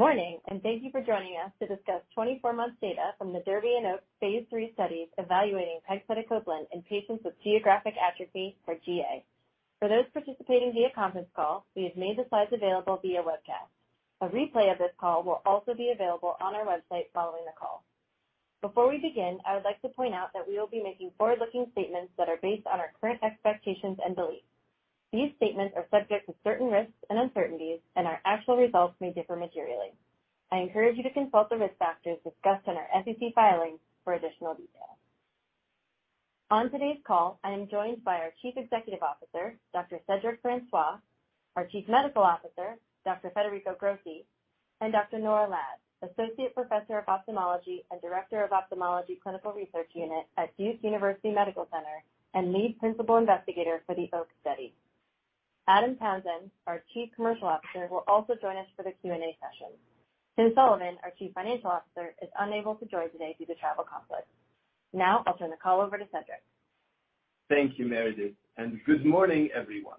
Morning, and thank you for joining us to discuss 24-month data from the DERBY and OAKS phase 3 studies evaluating pegcetacoplan in patients with geographic atrophy, or GA. For those participating via conference call, we have made the slides available via webcast. A replay of this call will also be available on our website following the call. Before we begin, I would like to point out that we will be making forward-looking statements that are based on our current expectations and beliefs. These statements are subject to certain risks and uncertainties, and our actual results may differ materially. I encourage you to consult the risk factors discussed in our SEC filings for additional detail. On today's call, I am joined by our Chief Executive Officer, Dr. Cedric Francois, our Chief Medical Officer, Dr. Federico Grossi, and Dr. Eleonora Lad, Associate Professor of Ophthalmology and Director of Ophthalmology Clinical Research Unit at Duke University Medical Center and Lead Principal Investigator for the OAKS study. Adam Townsend, our Chief Commercial Officer, will also join us for the Q&A session. Timothy Sullivan, our Chief Financial Officer, is unable to join today due to travel conflicts. Now I'll turn the call over to Cedric. Thank you, Meredith, and good morning, everyone.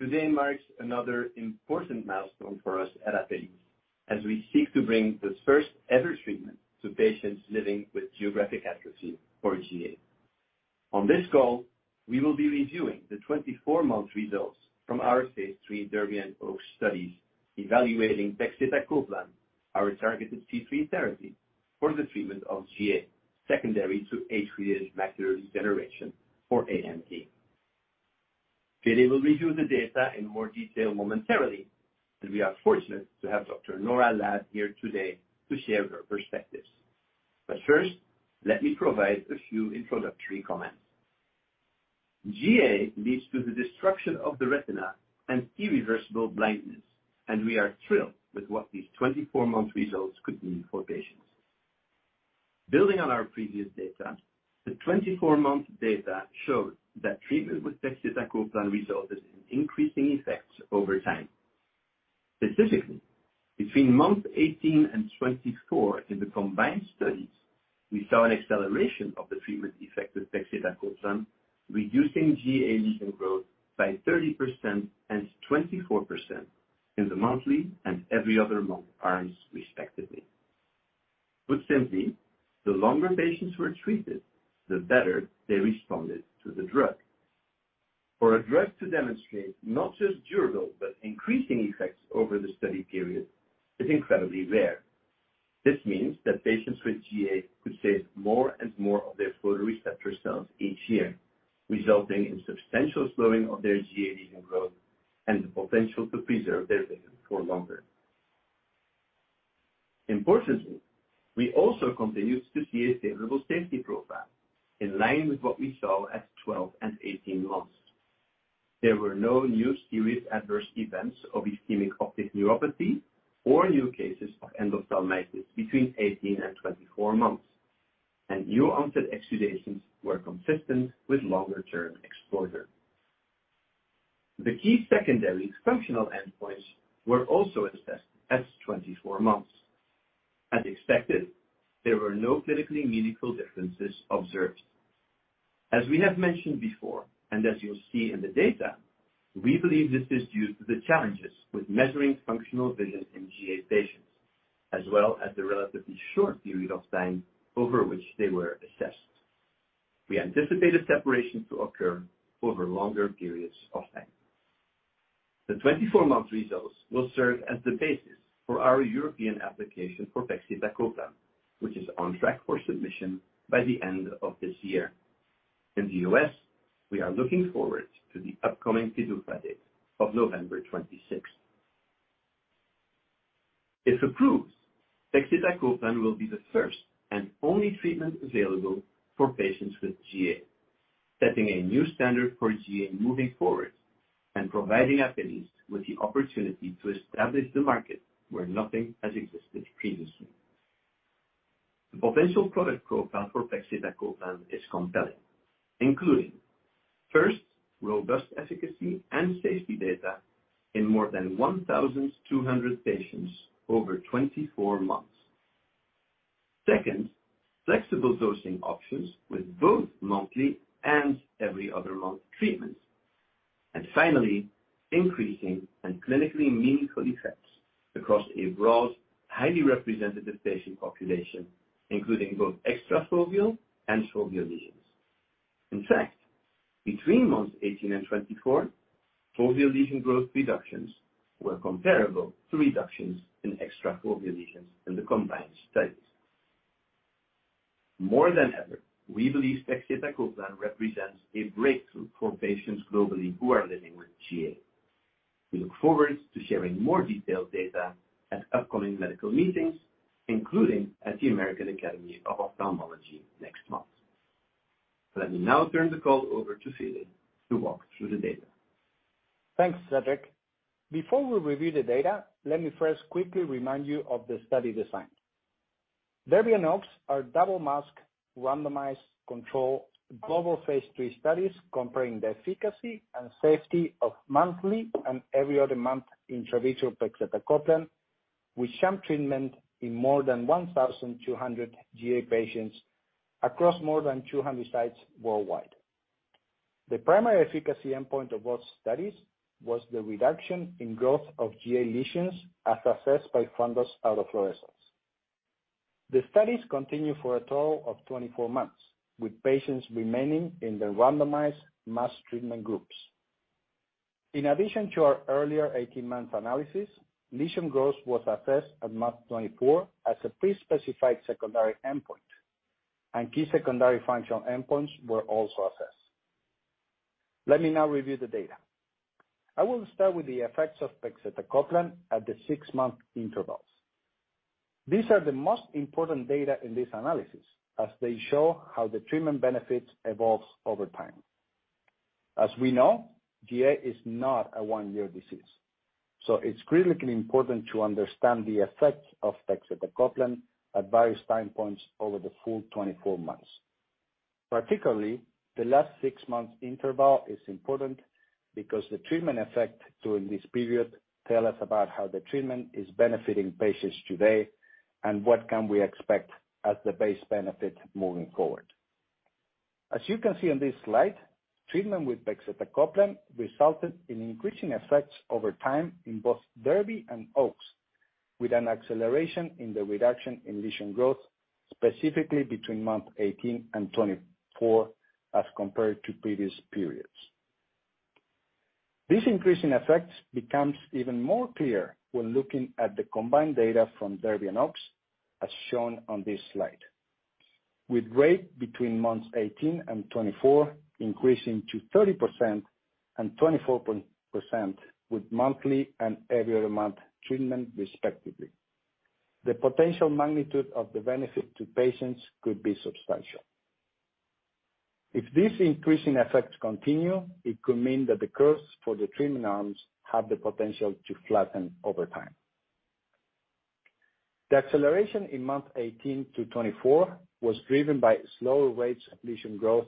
Today marks another important milestone for us at Apellis as we seek to bring the first-ever treatment to patients living with geographic atrophy, or GA. On this call, we will be reviewing the 24-month results from our phase III DERBY and OAKS studies evaluating pegcetacoplan, our targeted C3 therapy for the treatment of GA secondary to age-related macular degeneration or AMD. Today we'll review the data in more detail momentarily, and we are fortunate to have Dr. Nora Lad here today to share her perspectives. First, let me provide a few introductory comments. GA leads to the destruction of the retina and irreversible blindness, and we are thrilled with what these 24-month results could mean for patients. Building on our previous data, the 24-month data showed that treatment with pegcetacoplan resulted in increasing effects over time. Specifically, between month 18 and 24 in the combined studies, we saw an acceleration of the treatment effect of pegcetacoplan, reducing GA lesion growth by 30% and 24% in the monthly and every other month arms, respectively. Put simply, the longer patients were treated, the better they responded to the drug. For a drug to demonstrate not just durable, but increasing effects over the study period is incredibly rare. This means that patients with GA could save more and more of their photoreceptor cells each year, resulting in substantial slowing of their GA lesion growth and the potential to preserve their vision for longer. Importantly, we also continued to see a favorable safety profile in line with what we saw at 12 and 18 months. There were no new serious adverse events of ischemic optic neuropathy or new cases of endophthalmitis between 18 and 24 months. New-onset exudations were consistent with longer term exposure. The key secondary functional endpoints were also assessed at 24 months. As expected, there were no clinically meaningful differences observed. As we have mentioned before, and as you'll see in the data, we believe this is due to the challenges with measuring functional vision in GA patients, as well as the relatively short period of time over which they were assessed. We anticipate a separation to occur over longer periods of time. The 24-month results will serve as the basis for our European application for pegcetacoplan, which is on track for submission by the end of this year. In the U.S., we are looking forward to the upcoming PDUFA date of November 26. If approved, pegcetacoplan will be the first and only treatment available for patients with GA, setting a new standard for GA moving forward and providing Apellis with the opportunity to establish the market where nothing has existed previously. The potential product profile for pegcetacoplan is compelling, including, first, robust efficacy and safety data in more than 1,200 patients over 24 months. Second, flexible dosing options with both monthly and every other month treatments. Finally, increasing and clinically meaningful effects across a broad, highly representative patient population, including both extrafoveal and foveal lesions. In fact, between months 18 and 24, foveal lesion growth reductions were comparable to reductions in extrafoveal lesions in the combined studies. More than ever, we believe pegcetacoplan represents a breakthrough for patients globally who are living with GA. We look forward to sharing more detailed data at upcoming medical meetings, including at the American Academy of Ophthalmology next month. Let me now turn the call over to Federico Grossi to walk through the data. Thanks, Cedric. Before we review the data, let me first quickly remind you of the study design. DERBY and OAKS are double-masked, randomized controlled global phase III studies comparing the efficacy and safety of monthly and every other month intravitreal pegcetacoplan with sham treatment in more than 1,200 GA patients across more than 200 sites worldwide. The primary efficacy endpoint of both studies was the reduction in growth of GA lesions as assessed by fundus autofluorescence. The studies continue for a total of 24 months, with patients remaining in the randomized masked treatment groups. In addition to our earlier 18-month analysis, lesion growth was assessed at month 24 as a pre-specified secondary endpoint, and key secondary functional endpoints were also assessed. Let me now review the data. I will start with the effects of pegcetacoplan at the six-month intervals. These are the most important data in this analysis as they show how the treatment benefit evolves over time. As we know, GA is not a one-year disease, so it's critically important to understand the effect of pegcetacoplan at various time points over the full 24 months. Particularly, the last 6 months interval is important because the treatment effect during this period tells us about how the treatment is benefiting patients today and what we can expect as the base benefit moving forward. As you can see on this slide, treatment with pegcetacoplan resulted in increasing effects over time in both DERBY and OAKS, with an acceleration in the reduction in lesion growth, specifically between month 18 and 24 as compared to previous periods. This increase in effects becomes even more clear when looking at the combined data from DERBY and OAKS, as shown on this slide. With rate between months 18 and 24 increasing to 30% and 24% with monthly and every other month treatment respectively. The potential magnitude of the benefit to patients could be substantial. If this increasing effects continue, it could mean that the curves for the treatment arms have the potential to flatten over time. The acceleration in months 18-24 was driven by slower rates of lesion growth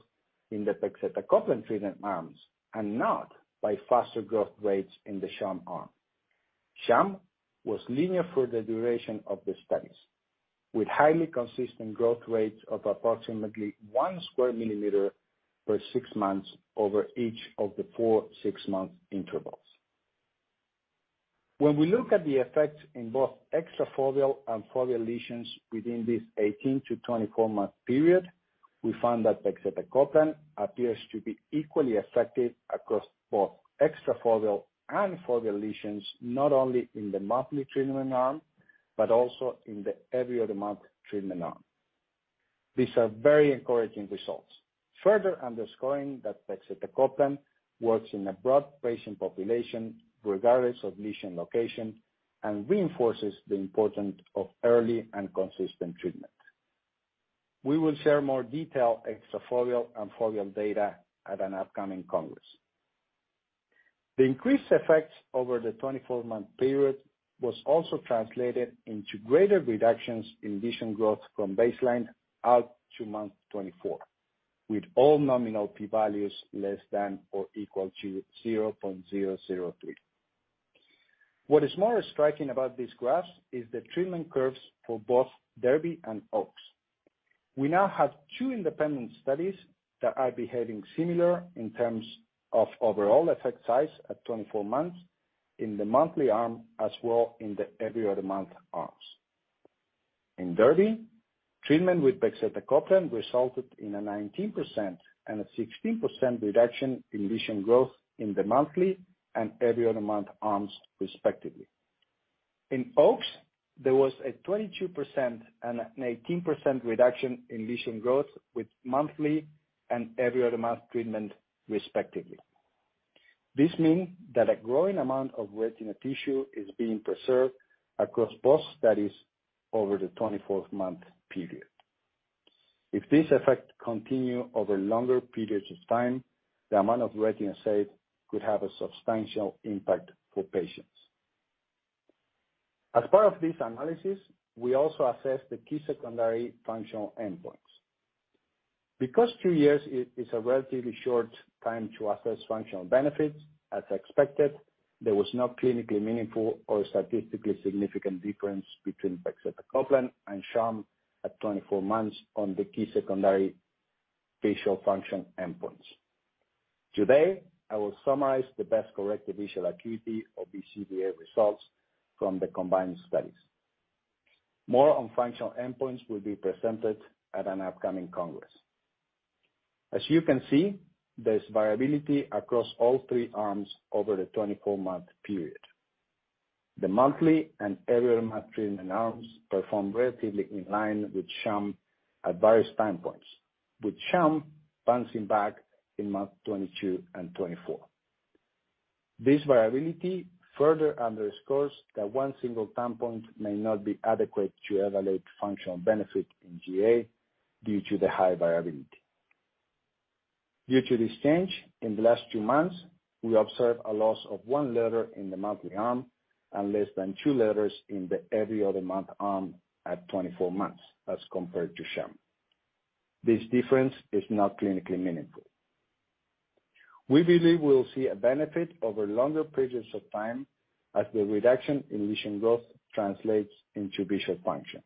in the pegcetacoplan treatment arms and not by faster growth rates in the sham arm. Sham was linear for the duration of the studies, with highly consistent growth rates of approximately one square millimeter per six months over each of the four 6-month intervals. When we look at the effects in both extrafoveal and foveal lesions within this 18-24 month period, we find that pegcetacoplan appears to be equally effective across both extrafoveal and foveal lesions, not only in the monthly treatment arm, but also in the every other month treatment arm. These are very encouraging results, further underscoring that pegcetacoplan works in a broad patient population regardless of lesion location and reinforces the importance of early and consistent treatment. We will share more detailed extrafoveal and foveal data at an upcoming congress. The increased effects over the 24-month period was also translated into greater reductions in lesion growth from baseline out to month 24, with all nominal p-values less than or equal to 0.003. What is more striking about this graph is the treatment curves for both DERBY and OAKS. We now have two independent studies that are behaving similar in terms of overall effect size at 24 months in the monthly arm as well in the every other month arms. In DERBY, treatment with pegcetacoplan resulted in a 19% and a 16% reduction in lesion growth in the monthly and every other month arms respectively. In OAKS, there was a 22% and an 18% reduction in lesion growth with monthly and every other month treatment respectively. This mean that a growing amount of retina tissue is being preserved across both studies over the 24-month period. If this effect continue over longer periods of time, the amount of retina saved could have a substantial impact for patients. As part of this analysis, we also assessed the key secondary functional endpoints. Because two years is a relatively short time to assess functional benefits, as expected, there was no clinically meaningful or statistically significant difference between pegcetacoplan and sham at 24 months on the key secondary visual function endpoints. Today, I will summarize the best-corrected visual acuity (BCVA) results from the combined studies. More on functional endpoints will be presented at an upcoming congress. As you can see, there's variability across all three arms over the 24-month period. The monthly and every other month treatment arms perform relatively in line with sham at various time points, with sham bouncing back in month 22 and 24. This variability further underscores that one single time point may not be adequate to evaluate functional benefit in GA due to the high variability. Due to this change in the last two months, we observed a loss of one letter in the monthly arm and less than two letters in the every other month arm at 24 months as compared to sham. This difference is not clinically meaningful. We believe we'll see a benefit over longer periods of time as the reduction in lesion growth translates into visual function.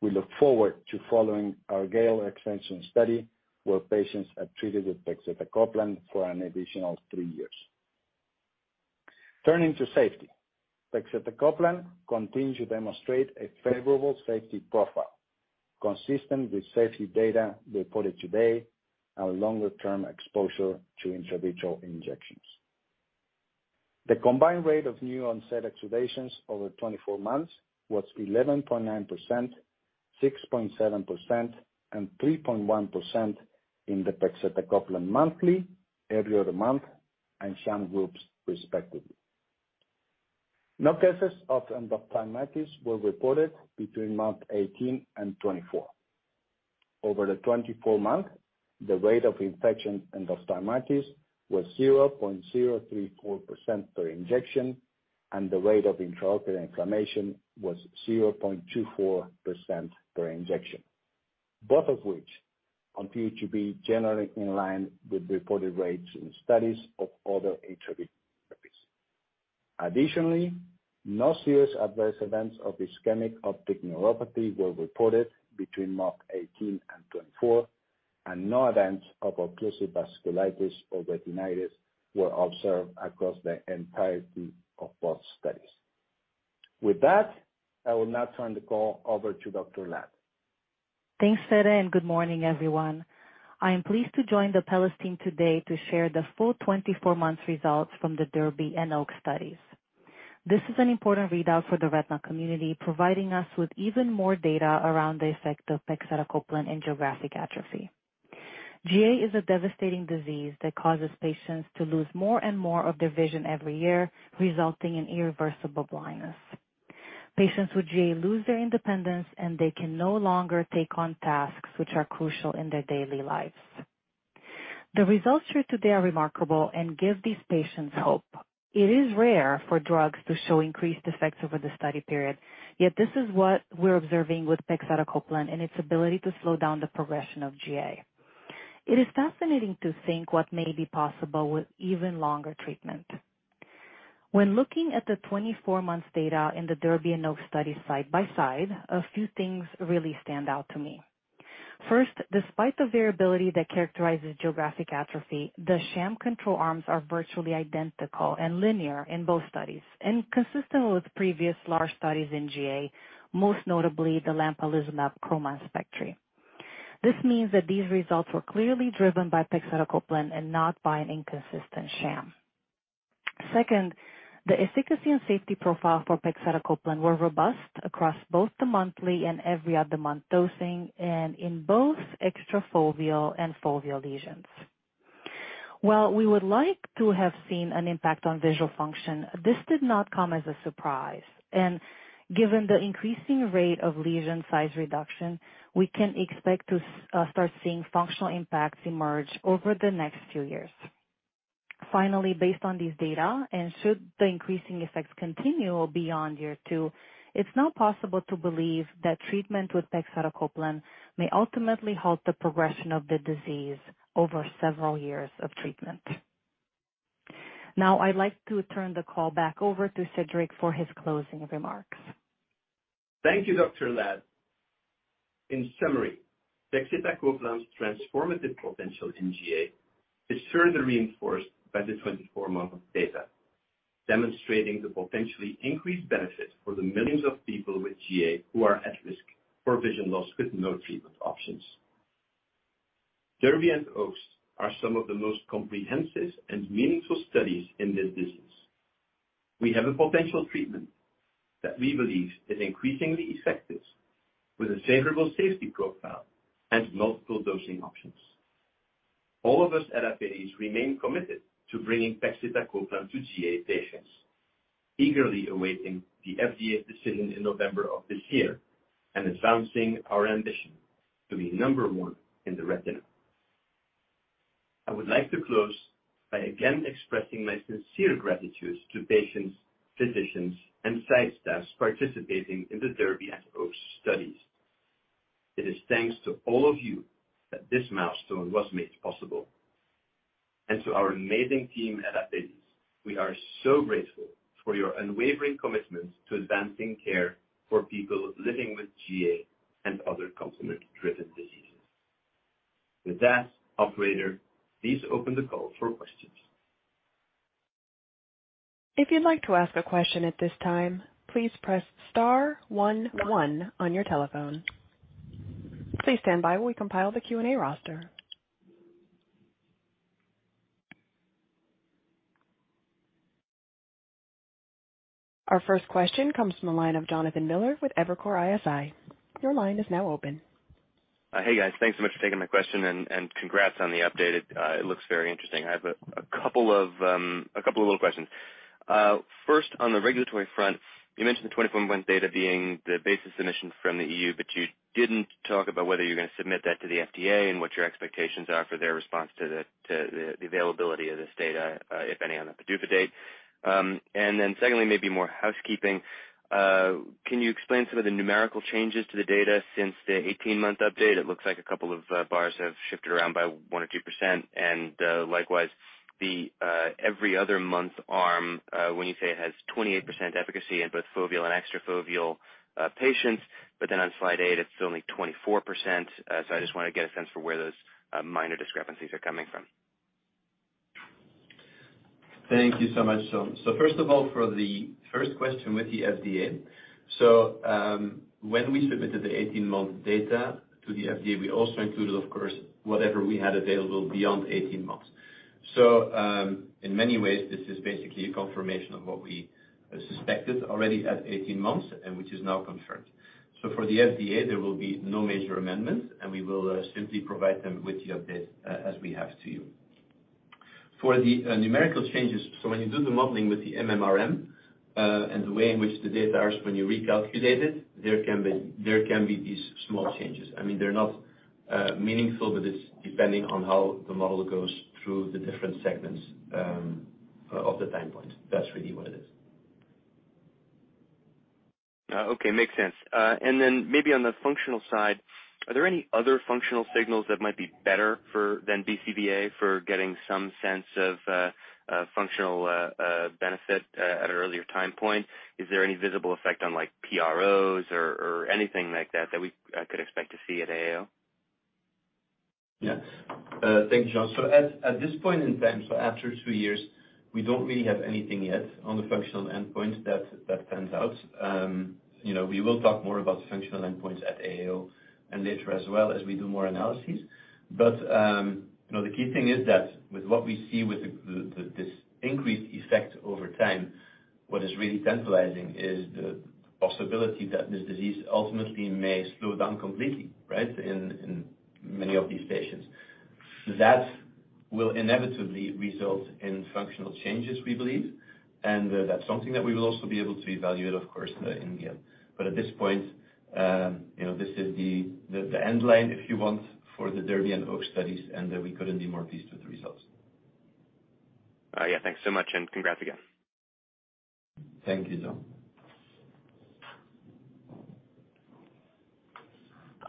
We look forward to following our GALE extension study, where patients are treated with pegcetacoplan for an additional three years. Turning to safety. Pegcetacoplan continues to demonstrate a favorable safety profile consistent with safety data reported today and longer-term exposure to intravitreal injections. The combined rate of new-onset exudations over 24 months was 11.9%, 6.7%, and 3.1% in the pegcetacoplan monthly, every other month, and sham groups respectively. No cases of endophthalmitis were reported between month 18 and 24. Over the 24 months, the rate of infectious endophthalmitis was 0.034% per injection, and the rate of intraocular inflammation was 0.24% per injection. Both of which appear to be generally in line with reported rates in studies of other IVT therapies. Additionally, no serious adverse events of ischemic optic neuropathy were reported between month 18 and 24, and no events of occlusive vasculitis or retinitis were observed across the entirety of both studies. With that, I will now turn the call over to Dr. Lad. Thanks, Fede, and good morning, everyone. I am pleased to join the Apellis team today to share the full 24 months results from the DERBY and OAKS studies. This is an important readout for the retina community, providing us with even more data around the effect of pegcetacoplan in geographic atrophy. GA is a devastating disease that causes patients to lose more and more of their vision every year, resulting in irreversible blindness. Patients with GA lose their independence, and they can no longer take on tasks which are crucial in their daily lives. The results shared today are remarkable and give these patients hope. It is rare for drugs to show increased effects over the study period, yet this is what we're observing with pegcetacoplan and its ability to slow down the progression of GA. It is fascinating to think what may be possible with even longer treatment. When looking at the 24 months data in the DERBY and OAKS studies side by side, a few things really stand out to me. First, despite the variability that characterizes geographic atrophy, the sham control arms are virtually identical and linear in both studies. Consistent with previous large studies in GA, most notably the lampalizumab CHROMA and SPECTRI. This means that these results were clearly driven by pegcetacoplan and not by an inconsistent sham. Second, the efficacy and safety profile for pegcetacoplan were robust across both the monthly and every other month dosing, and in both extrafoveal and foveal lesions. While we would like to have seen an impact on visual function, this did not come as a surprise. Given the increasing rate of lesion size reduction, we can expect to start seeing functional impacts emerge over the next two years. Finally, based on these data, and should the increasing effects continue beyond year two, it's now possible to believe that treatment with pegcetacoplan may ultimately halt the progression of the disease over several years of treatment. Now, I'd like to turn the call back over to Cedric for his closing remarks. Thank you, Dr. Lad. In summary, pegcetacoplan's transformative potential in GA is further reinforced by the 24-month data, demonstrating the potentially increased benefit for the millions of people with GA who are at risk for vision loss with no treatment options. DERBY and OAKS are some of the most comprehensive and meaningful studies in this business. We have a potential treatment that we believe is increasingly effective, with a favorable safety profile and multiple dosing options. All of us at Apellis remain committed to bringing pegcetacoplan to GA patients, eagerly awaiting the FDA decision in November of this year and advancing our ambition to be number one in the retina. I would like to close by again expressing my sincere gratitude to patients, physicians, and site staffs participating in the DERBY and OAKS studies. It is thanks to all of you that this milestone was made possible. To our amazing team at Apellis, we are so grateful for your unwavering commitment to advancing care for people living with GA and other complement-driven diseases. With that, operator, please open the call for questions. If you'd like to ask a question at this time, please press star one one on your telephone. Please stand by while we compile the Q&A roster. Our first question comes from the line of Jonathan Miller with Evercore ISI. Your line is now open. Hey, guys. Thanks so much for taking my question and congrats on the update. It looks very interesting. I have a couple of little questions. First, on the regulatory front, you mentioned the 24-month data being the basis submission from the E.U., but you didn't talk about whether you're gonna submit that to the FDA and what your expectations are for their response to the availability of this data, if any, on the PDUFA date. Secondly, maybe more housekeeping. Can you explain some of the numerical changes to the data since the 18-month update? It looks like a couple of bars have shifted around by 1% or 2%.Likewise, the every other month arm, when you say it has 28% efficacy in both foveal and extrafoveal patients, but then on slide eight, it's only 24%. I just wanna get a sense for where those minor discrepancies are coming from. Thank you so much, John. First of all, for the first question with the FDA. When we submitted the 18-month data to the FDA, we also included of course, whatever we had available beyond 18 months. In many ways, this is basically a confirmation of what we suspected already at 18 months and which is now confirmed. For the FDA, there will be no major amendments, and we will simply provide them with the update as we have to you. For the numerical changes. When you do the modeling with the MMRM, and the way in which the data are when you recalculate it, there can be these small changes. I mean, they're not meaningful, but it's depending on how the model goes through the different segments of the time point. That's really what it is. Okay. Makes sense. Maybe on the functional side, are there any other functional signals that might be better than BCVA for getting some sense of a functional benefit at an earlier time point? Is there any visible effect on like PROs or anything like that that we could expect to see at AAO? Thank you, John. At this point in time, after two years, we don't really have anything yet on the functional endpoint that pans out. You know, we will talk more about functional endpoints at AAO and later as well as we do more analyses. The key thing is that with what we see with this increased effect over time, what is really tantalizing is the possibility that this disease ultimately may slow down completely, right, in many of these patients. That will inevitably result in functional changes, we believe, and that's something that we will also be able to evaluate, of course, in GALE. At this point, you know, this is the endpoint, if you want, for the DERBY and OAKS studies, and that we couldn't be more pleased with the results. Yeah. Thanks so much and congrats again. Thank you, John.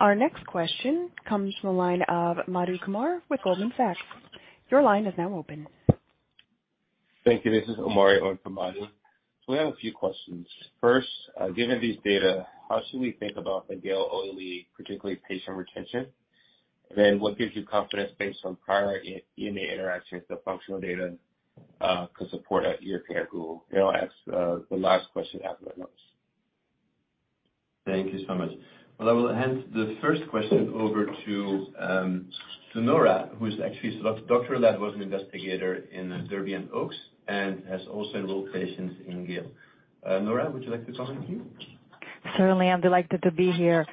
Our next question comes from the line of Madhu Kumar with Goldman Sachs. Your line is now open. Thank you. This is Omari on for Madhu. We have a few questions. First, given these data, how should we think about the GALE OLE, particularly patient retention? What gives you confidence based on prior EMA interactions, the functional data, to support a year care goal? I'll ask the last question after those. Thank you so much. Well, I will hand the first question over to Nora, who's actually Dr. Lad, was an investigator in DERBY and OAKS and has also enrolled patients in GALE. Nora, would you like to comment here? Certainly. I'm delighted to be here.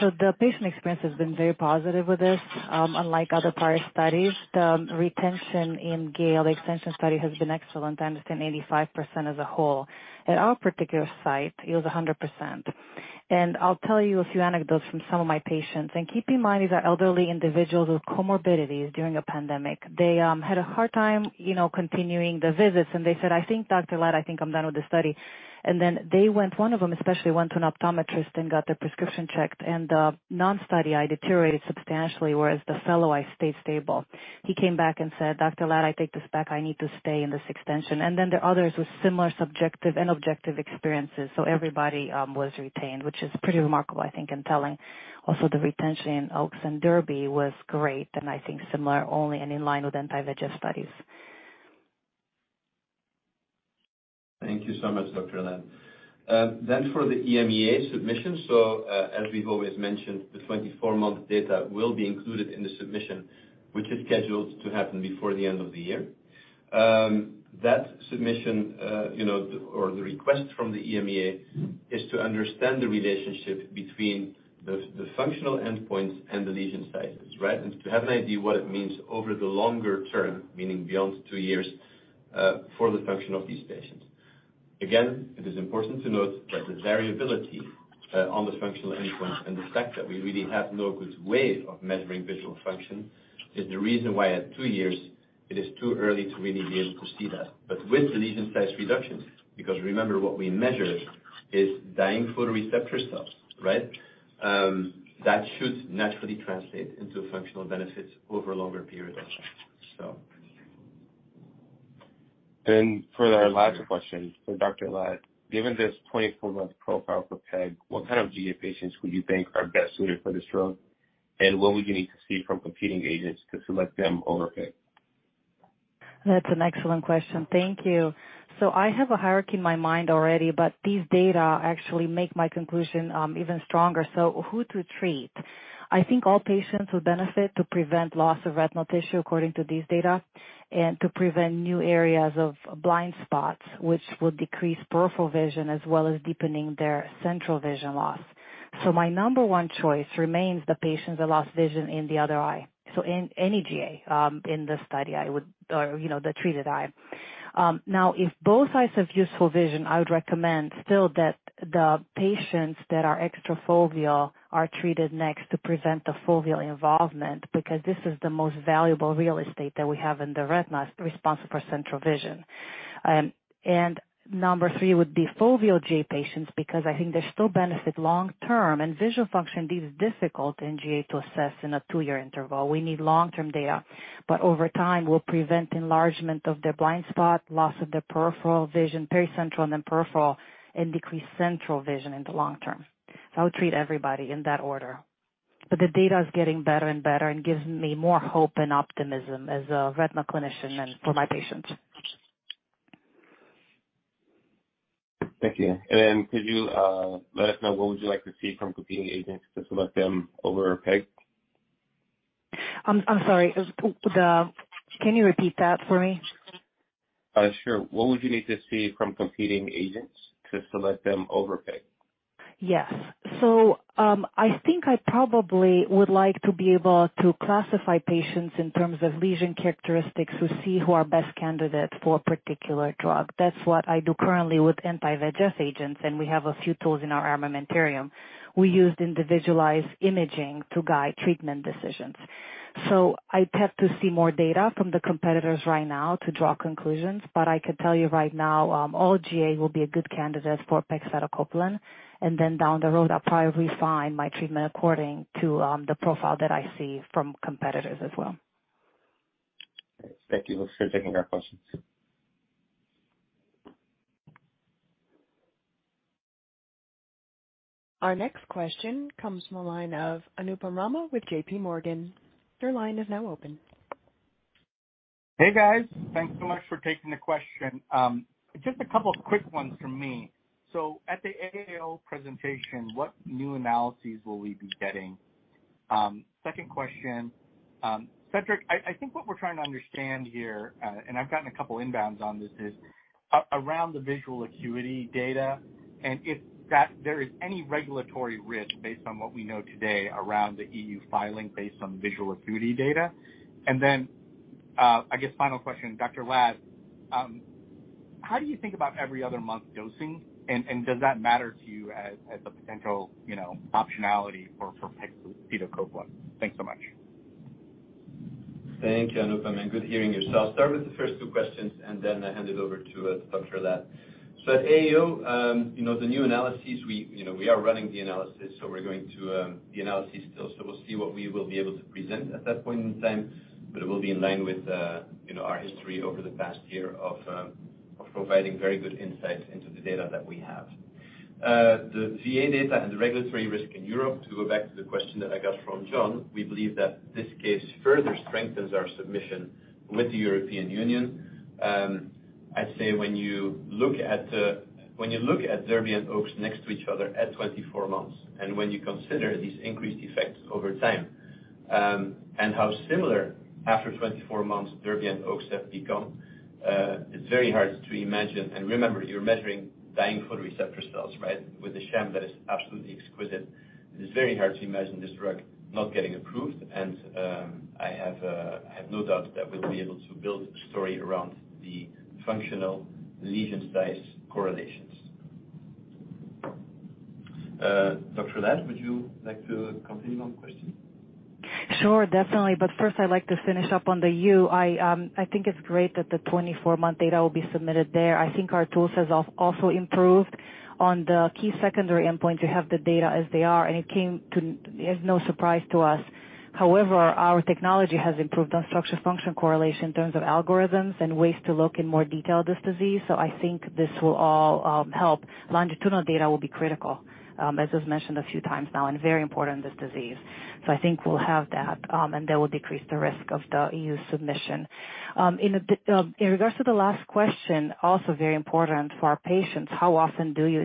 The patient experience has been very positive with this. Unlike other prior studies, the retention in GALE, the extension study, has been excellent. I understand 85% as a whole. At our particular site, it was 100%. I'll tell you a few anecdotes from some of my patients. Keep in mind, these are elderly individuals with comorbidities during a pandemic. They had a hard time, you know, continuing the visits. They said, "I think Dr. Lad, I'm done with this study." Then one of them especially went to an optometrist and got their prescription checked, and the non-study eye deteriorated substantially, whereas the fellow eye stayed stable. He came back and said, "Dr. Lad, I take this back. I need to stay in this extension." Then there are others with similar subjective and objective experiences. Everybody was retained, which is pretty remarkable, I think, in telling. Also, the retention in OAKS and DERBY was great, and I think similar only and in line with anti-VEGF studies. Thank you so much, Dr. Lad. For the EMEA submission. As we've always mentioned, the 24-month data will be included in the submission, which is scheduled to happen before the end of the year. That submission, you know, or the request from the EMEA is to understand the relationship between the functional endpoints and the lesion sizes, right? To have an idea what it means over the longer term, meaning beyond two years, for the function of these patients. It is important to note that the variability on the functional endpoints and the fact that we really have no good way of measuring visual function is the reason why at two years it is too early to really be able to see that with the lesion size reduction, because remember what we measure is dying photoreceptor cells, right? That should naturally translate into functional benefits over a longer period of time. So. For our last question for Dr. Lad. Given this 24-month profile for PEG, what kind of GA patients would you think are best suited for this drug? And what would you need to see from competing agents to select them over PEG? That's an excellent question. Thank you. I have a hierarchy in my mind already, but these data actually make my conclusion even stronger. Who to treat? I think all patients will benefit to prevent loss of retinal tissue according to these data and to prevent new areas of blind spots, which would decrease peripheral vision as well as deepening their central vision loss. My number one choice remains the patients that lost vision in the other eye. In any GA in the study, I would or, you know, the treated eye. Now, if both eyes have useful vision, I would recommend still that the patients that are extrafoveal are treated next to prevent the foveal involvement, because this is the most valuable real estate that we have in the retina responsible for central vision. Number three would be foveal GA patients, because I think they still benefit long-term. Visual function, it is difficult in GA to assess in a two-year interval. We need long-term data. Over time, we'll prevent enlargement of their blind spot, loss of their peripheral vision, pericentral and then peripheral, and decreased central vision in the long term. I would treat everybody in that order. The data is getting better and better and gives me more hope and optimism as a retina clinician and for my patients. Could you let us know what would you like to see from competing agents to select them over peg? I'm sorry. Can you repeat that for me? Sure. What would you need to see from competing agents to select them over peg? Yes. I think I probably would like to be able to classify patients in terms of lesion characteristics to see who are best candidates for a particular drug. That's what I do currently with anti-VEGF agents, and we have a few tools in our armamentarium. We used individualized imaging to guide treatment decisions. I'd have to see more data from the competitors right now to draw conclusions, but I can tell you right now, all GA will be a good candidate for pegcetacoplan. Then down the road, I'll probably refine my treatment according to, the profile that I see from competitors as well. Thank you for taking our questions. Our next question comes from the line of Anupam Rama with J.P. Morgan. Your line is now open. Hey, guys. Thanks so much for taking the question. Just a couple of quick ones from me. At the AAO presentation, what new analyses will we be getting? Second question, Cedric, I think what we're trying to understand here, and I've gotten a couple inbounds on this, is around the visual acuity data, and if there is any regulatory risk based on what we know today around the E.U. filing based on visual acuity data. I guess final question, Dr. Lad, how do you think about every other month dosing? And does that matter to you as a potential, you know, optionality for pegcetacoplan? Thanks so much. Thank you, Anupam, and good to hear you. Start with the first two questions, and then I hand it over to Dr. Lad. At AAO, you know, the new analyses. You know, we are running the analysis, so we're going to run the analysis still. We'll see what we will be able to present at that point in time. It will be in line with, you know, our history over the past year of providing very good insight into the data that we have. The VA data and the regulatory risk in Europe, to go back to the question that I got from John, we believe that this case further strengthens our submission with the European Union. I'd say when you look at DERBY and OAKS next to each other at 24 months, and when you consider these increased effects over time, and how similar after 24 months DERBY and OAKS have become, it's very hard to imagine. Remember, you're measuring dying photoreceptor cells, right, with a sham that is absolutely exquisite. It is very hard to imagine this drug not getting approved. I have no doubt that we'll be able to build a story around the functional lesion size correlations. Dr. Lad, would you like to continue on the question? Sure, definitely. First I'd like to finish up on the UI. I think it's great that the 24-month data will be submitted there. I think our tools has also improved on the key secondary endpoint to have the data as they are, and it came to. It's no surprise to us. However, our technology has improved on structure function correlation in terms of algorithms and ways to look in more detail at this disease. I think this will all help. Longitudinal data will be critical, as was mentioned a few times now, and very important in this disease. I think we'll have that, and that will decrease the risk of the E.U. submission. In regards to the last question, also very important for our patients, how often do you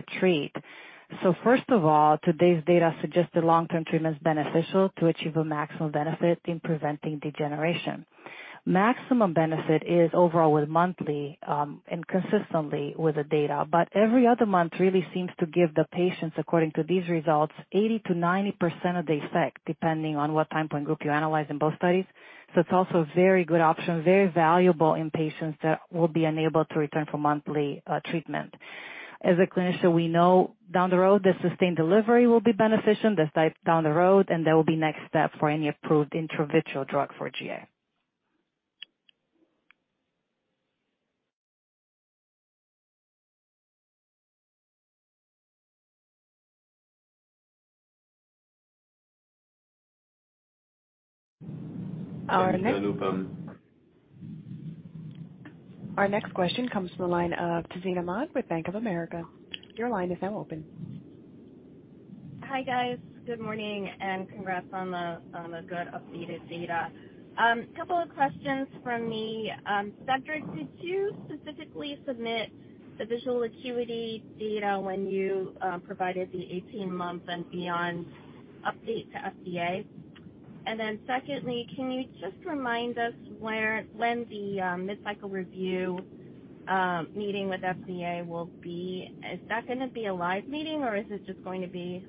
treat? First of all, today's data suggests the long-term treatment is beneficial to achieve a maximum benefit in preventing degeneration. Maximum benefit is overall with monthly, and consistently with the data. Every other month really seems to give the patients, according to these results, 80%-90% of the effect, depending on what time point group you analyze in both studies. It's also a very good option, very valuable in patients that will be unable to return for monthly treatment. As a clinician, we know down the road that sustained delivery will be beneficial, that's down the road, and that will be next step for any approved intravitreal drug for GA. Our next- Thank you, Anupam. Our next question comes from the line of Tazeen Ahmad with Bank of America. Your line is now open. Hi, guys. Good morning and congrats on the good updated data. Couple of questions from me. Cedric, did you specifically submit the visual acuity data when you provided the 18-month and beyond update to FDA? Secondly, can you just remind us when the mid-cycle review meeting with FDA will be? Is that gonna be a live meeting, or is it just going to be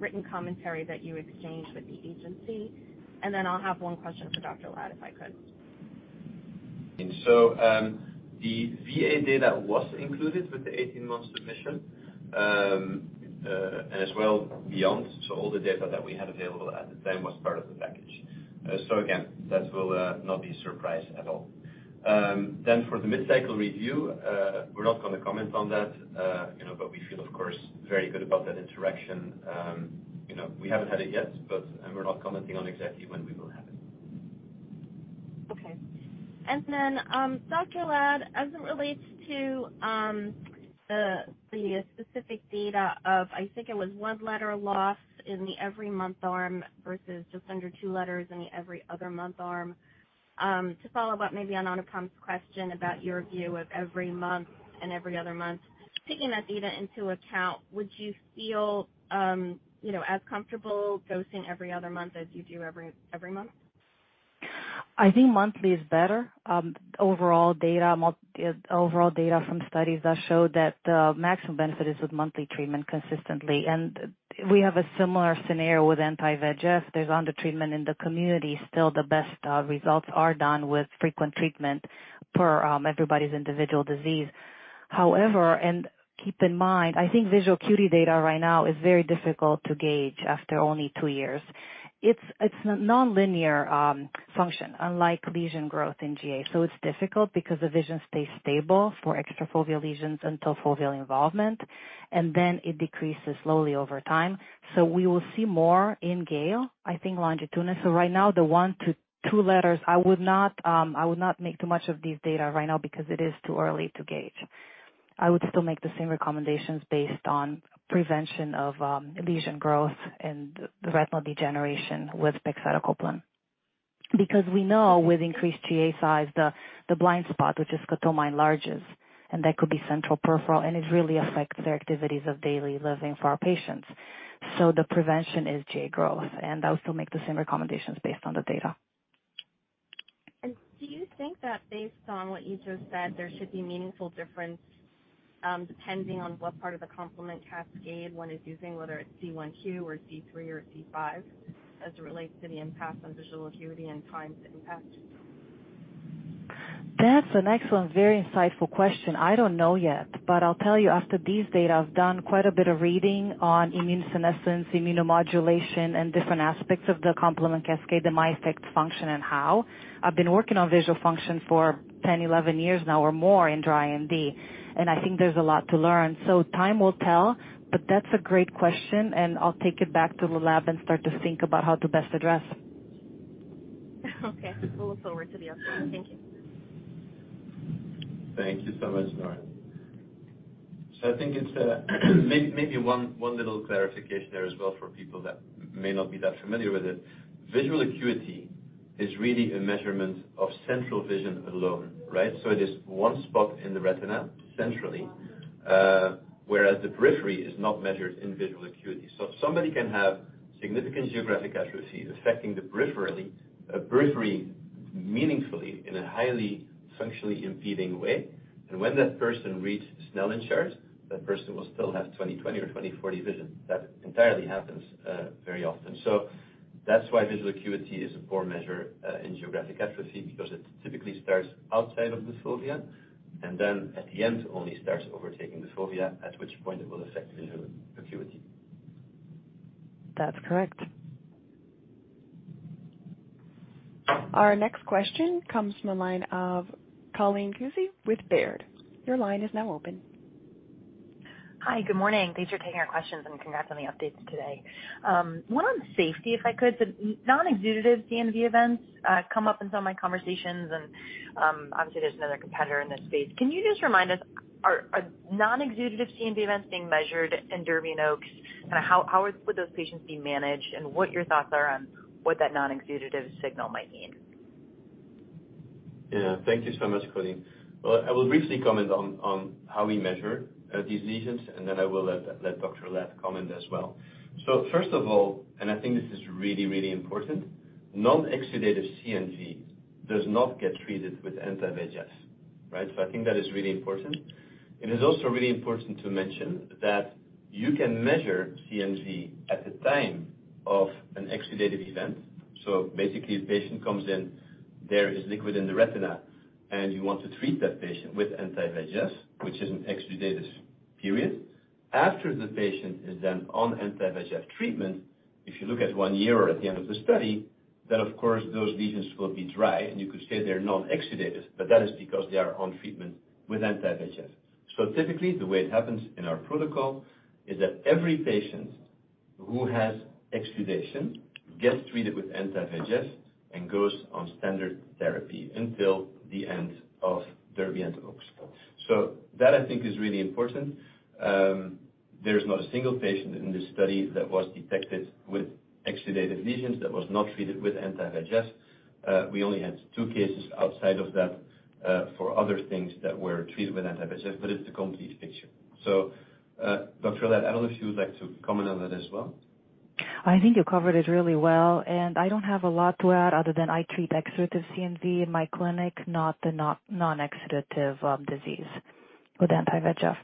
written commentary that you exchanged with the agency? I'll have one question for Dr. Lad, if I could. The VA data was included with the 18-month submission and as well beyond. All the data that we had available at the time was part of the package. Again, that will not be a surprise at all. For the mid-cycle review, we're not gonna comment on that, you know, but we feel, of course, very good about that interaction. You know, we haven't had it yet, but and we're not commenting on exactly when we will have it. Dr. Lad, as it relates to the specific data of, I think it was one letter loss in the every month arm versus just under two letters in the every other month arm. To follow up maybe on Anupam's question about your view of every month and every other month. Taking that data into account, would you feel, you know, as comfortable dosing every other month as you do every month? I think monthly is better. Overall data from studies that show that the maximum benefit is with monthly treatment consistently. We have a similar scenario with anti-VEGF. There's under-treatment in the community. Still, the best results are done with frequent treatment per everybody's individual disease. However, keep in mind, I think visual acuity data right now is very difficult to gauge after only two years. It's a nonlinear function, unlike lesion growth in GA. It's difficult because the vision stays stable for extrafoveal lesions until foveal involvement, and then it decreases slowly over time. We will see more in GALE, I think longitudinally. Right now, the one to two letters, I would not make too much of these data right now because it is too early to gauge. I would still make the same recommendations based on prevention of lesion growth and the retinal degeneration with pegcetacoplan. Because we know with increased GA size, the blind spot, which is scotoma enlarges, and that could be central peripheral, and it really affects their activities of daily living for our patients. The prevention is GA growth, and I would still make the same recommendations based on the data. Do you think that based on what you just said, there should be meaningful difference, depending on what part of the complement cascade one is using, whether it's C1q or C3 or C5, as it relates to the impact on visual acuity and time to impact? That's an excellent, very insightful question. I don't know yet, but I'll tell you after these data. I've done quite a bit of reading on immune senescence, immunomodulation, and different aspects of the complement cascade, the MAC effect function and how. I've been working on visual function for 10, 11 years now or more in dry AMD, and I think there's a lot to learn. Time will tell, but that's a great question, and I'll take it back to the lab and start to think about how to best address. Okay. We'll look forward to the update. Thank you. Thank you so much, Nora. I think it's maybe one little clarification there as well for people that may not be that familiar with it. Visual acuity is really a measurement of central vision alone, right? It is one spot in the retina centrally, whereas the periphery is not measured in visual acuity. If somebody can have significant geographic atrophy affecting the periphery meaningfully in a highly functionally impeding way, and when that person reads Snellen charts, that person will still have 20/20 or 20/40 vision. That entirely happens very often. That's why visual acuity is a poor measure in geographic atrophy, because it typically starts outside of the fovea and then at the end only starts overtaking the fovea, at which point it will affect visual acuity. That's correct. Our next question comes from the line of Colleen Kusy with Baird. Your line is now open. Hi. Good morning. Thanks for taking our questions, and congrats on the updates today. One on safety, if I could. The non-exudative CNV events come up in some of my conversations and, obviously there's another competitor in this space. Can you just remind us, are non-exudative CNV events being measured in DERBY and OAKS? Kinda how would those patients be managed and what your thoughts are on what that non-exudative signal might mean? Yeah. Thank you so much, Colleen. Well, I will briefly comment on how we measure these lesions, and then I will let Dr. Lad comment as well. First of all, I think this is really, really important, non-exudative CNV does not get treated with anti-VEGF, right? I think that is really important. It is also really important to mention that you can measure CNV at the time of an exudative event. Basically, the patient comes in, there is liquid in the retina, and you want to treat that patient with anti-VEGF, which is an exudative period. After the patient is then on anti-VEGF treatment, if you look at 1 year or at the end of the study, then of course those lesions will be dry and you could say they're non-exudative, but that is because they are on treatment with anti-VEGF. Typically, the way it happens in our protocol is that every patient who has exudation gets treated with anti-VEGF and goes on standard therapy until the end of DERBY and OAKS. That, I think, is really important. There's not a single patient in this study that was detected with exudative lesions that was not treated with anti-VEGF. We only had two cases outside of that, for other things that were treated with anti-VEGF, but it's the complete picture. Dr. Lad, I don't know if you would like to comment on that as well. I think you covered it really well, and I don't have a lot to add other than I treat exudative CNV in my clinic, not the non-exudative disease with anti-VEGF.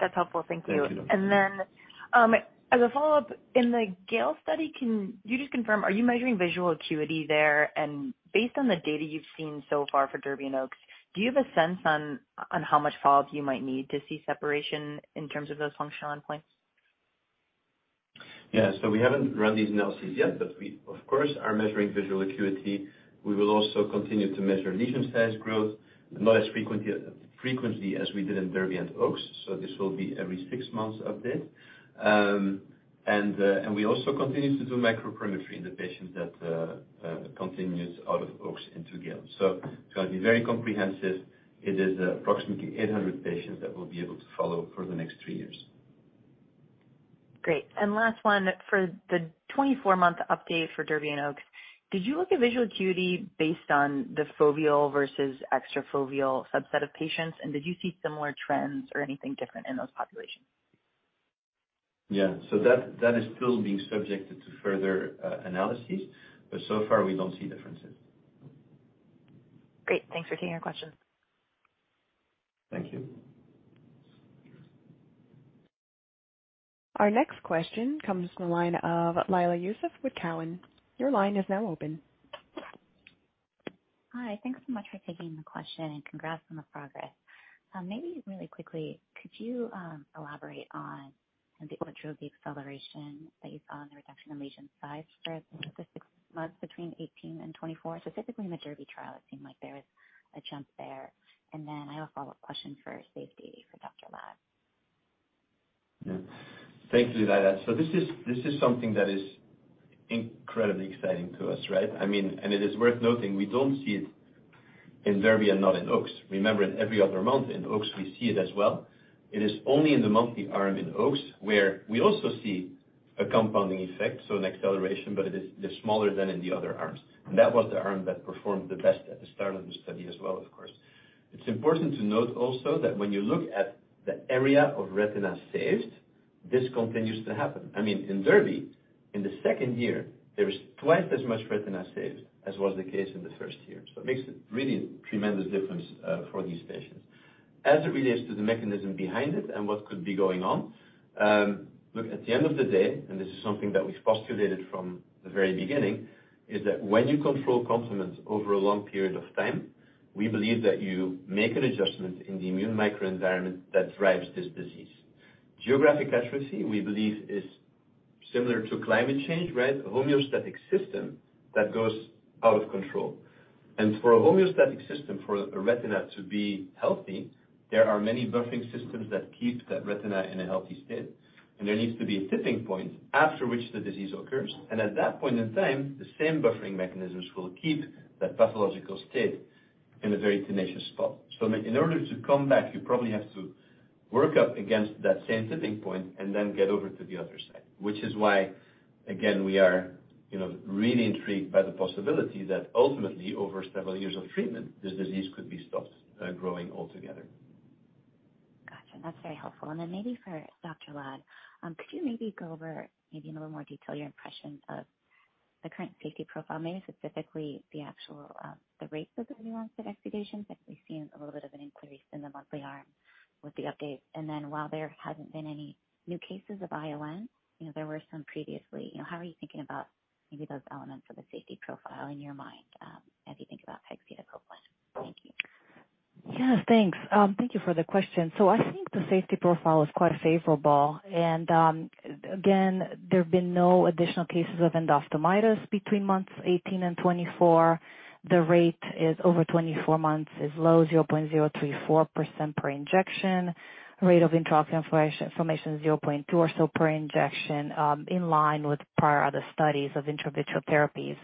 That's helpful. Thank you. Thank you. As a follow-up, in the GALE study, can you just confirm, are you measuring visual acuity there? Based on the data you've seen so far for DERBY and OAKS, do you have a sense on how much follow-up you might need to see separation in terms of those functional endpoints? Yeah. We haven't run these analyses yet, but we of course are measuring visual acuity. We will also continue to measure lesion size growth, not as frequently as we did in DERBY and OAKS, so this will be every six months update. We also continue to do microperimetry in the patients that continues out of OAKS into GALE. It's gonna be very comprehensive. It is approximately 800 patients that we'll be able to follow for the next three years. Great. Last one. For the 24-month update for DERBY and OAKS, did you look at visual acuity based on the foveal versus extrafoveal subset of patients? Did you see similar trends or anything different in those populations? That is still being subjected to further analysis, but so far, we don't see differences. Great. Thanks for taking our question. Thank you. Our next question comes from the line of Layla Youssef with Cowen. Your line is now open. Hi. Thanks so much for taking the question, and congrats on the progress. Maybe really quickly, could you elaborate on what drove the acceleration that you saw in the reduction in lesion size for, I think it's the six months between 18 and 24? Specifically in the DERBY trial, it seemed like there was a jump there. I have a follow-up question for safety for Dr. Lad. Yeah. Thank you, Laysa. This is something that is incredibly exciting to us, right? I mean, it is worth noting, we don't see it in DERBY and not in OAKS. Remember, in every other month in OAKS, we see it as well. It is only in the monthly arm in OAKS, where we also see a compounding effect, so an acceleration, but it is smaller than in the other arms. That was the arm that performed the best at the start of the study as well, of course. It's important to note also that when you look at the area of retina saved, this continues to happen. I mean, in DERBY, in the second year, there is twice as much retina saved as was the case in the first year. It makes a really tremendous difference for these patients. As it relates to the mechanism behind it and what could be going on, look, at the end of the day, and this is something that we've postulated from the very beginning, is that when you control complement over a long period of time, we believe that you make an adjustment in the immune microenvironment that drives this disease. Geographic atrophy, we believe, is similar to climate change, right? A homeostatic system that goes out of control. For a homeostatic system, for a retina to be healthy, there are many buffering systems that keep that retina in a healthy state. There needs to be a tipping point after which the disease occurs. At that point in time, the same buffering mechanisms will keep that pathological state in a very tenacious spot. In order to come back, you probably have to work up against that same tipping point and then get over to the other side. Which is why, again, we are, you know, really intrigued by the possibility that ultimately, over several years of treatment, this disease could be stopped, growing altogether. Gotcha. That's very helpful. Maybe for Dr. Lad, could you maybe go over maybe in a little more detail your impression of the current safety profile, maybe specifically the actual, the rate of the new onset exudations? I've seen a little bit of an increase in the monthly arm with the update. While there hasn't been any new cases of ION, you know, there were some previously. You know, how are you thinking about maybe those elements of the safety profile in your mind, as you think about pegcetacoplan? Thank you. Thanks. Thank you for the question. I think the safety profile is quite favorable. Again, there have been no additional cases of endophthalmitis between months 18 and 24. The rate over 24 months is low, 0.034% per injection. Rate of intraocular inflammation is 0.2 or so per injection, in line with prior other studies of intravitreal therapies.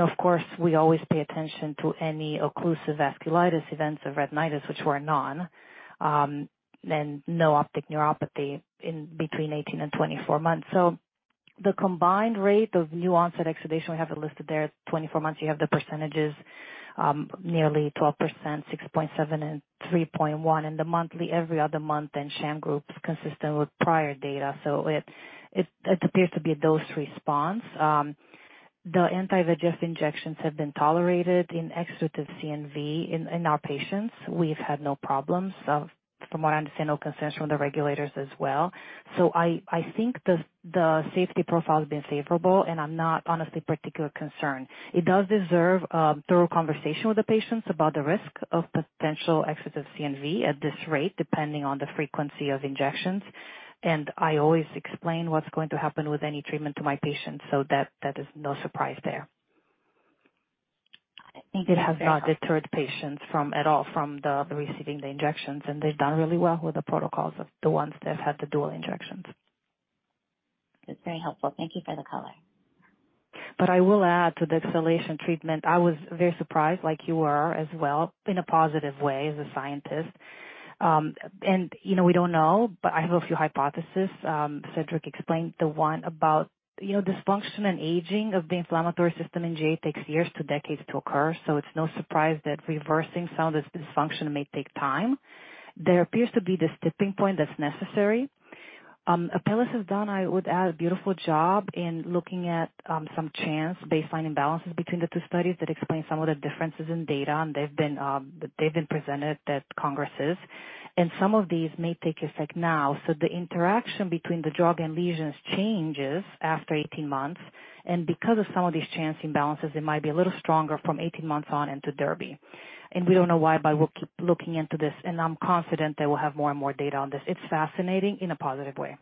Of course, we always pay attention to any occlusive vasculitis events of retinitis, which were none, and no optic neuropathy in between 18 and 24 months. The combined rate of new onset exudation, we have it listed there, 24 months, you have the percentages, nearly 12%, 6.7, and 3.1 in the monthly, every other month in sham group, consistent with prior data. It appears to be a dose-response. The anti-VEGF injections have been tolerated in exudative CNV in our patients. We've had no problems. From what I understand, no concerns from the regulators as well. I think the safety profile has been favorable, and I'm not honestly particularly concerned. It does deserve thorough conversation with the patients about the risk of potential exudative CNV at this rate, depending on the frequency of injections. I always explain what's going to happen with any treatment to my patients, so that is no surprise there. Thank you. It has not deterred patients from receiving the injections at all, and they've done really well with the protocols of the ones that have had the dual injections. It's very helpful. Thank you for the color. I will add to the acceleration treatment, I was very surprised, like you were as well, in a positive way as a scientist. You know, we don't know, but I have a few hypothesis. Cedric explained the one about, you know, dysfunction and aging of the inflammatory system in GA takes years to decades to occur, so it's no surprise that reversing some of this dysfunction may take time. There appears to be this tipping point that's necessary. Apellis has done, I would add, a beautiful job in looking at some change baseline imbalances between the two studies that explain some of the differences in data, and they've been presented at congresses. Some of these may take effect now. The interaction between the drug and lesions changes after 18 months. Because of some of these chance imbalances, it might be a little stronger from 18 months on into DERBY. We don't know why, but we'll keep looking into this, and I'm confident that we'll have more and more data on this. It's fascinating in a positive way.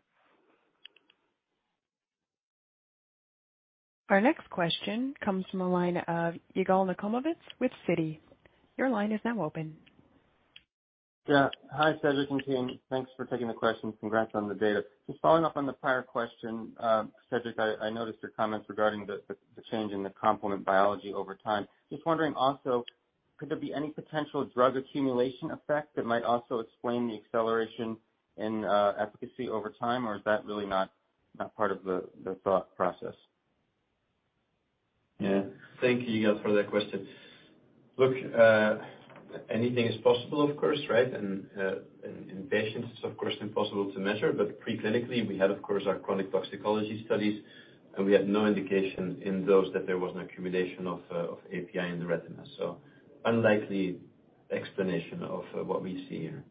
Our next question comes from the line of Yigal Nochomovitz with Citi. Your line is now open. Yeah. Hi, Cedric and team. Thanks for taking the question. Congrats on the data. Just following up on the prior question, Cedric, I noticed your comments regarding the change in the complement biology over time. Just wondering also, could there be any potential drug accumulation effect that might also explain the acceleration in efficacy over time, or is that really not part of the thought process? Yeah. Thank you, Yigal, for that question. Look, anything is possible of course, right? In patients it's of course impossible to measure, but preclinically, we had of course our chronic toxicology studies, and we had no indication in those that there was an accumulation of API in the retina. Unlikely explanation of what we see here.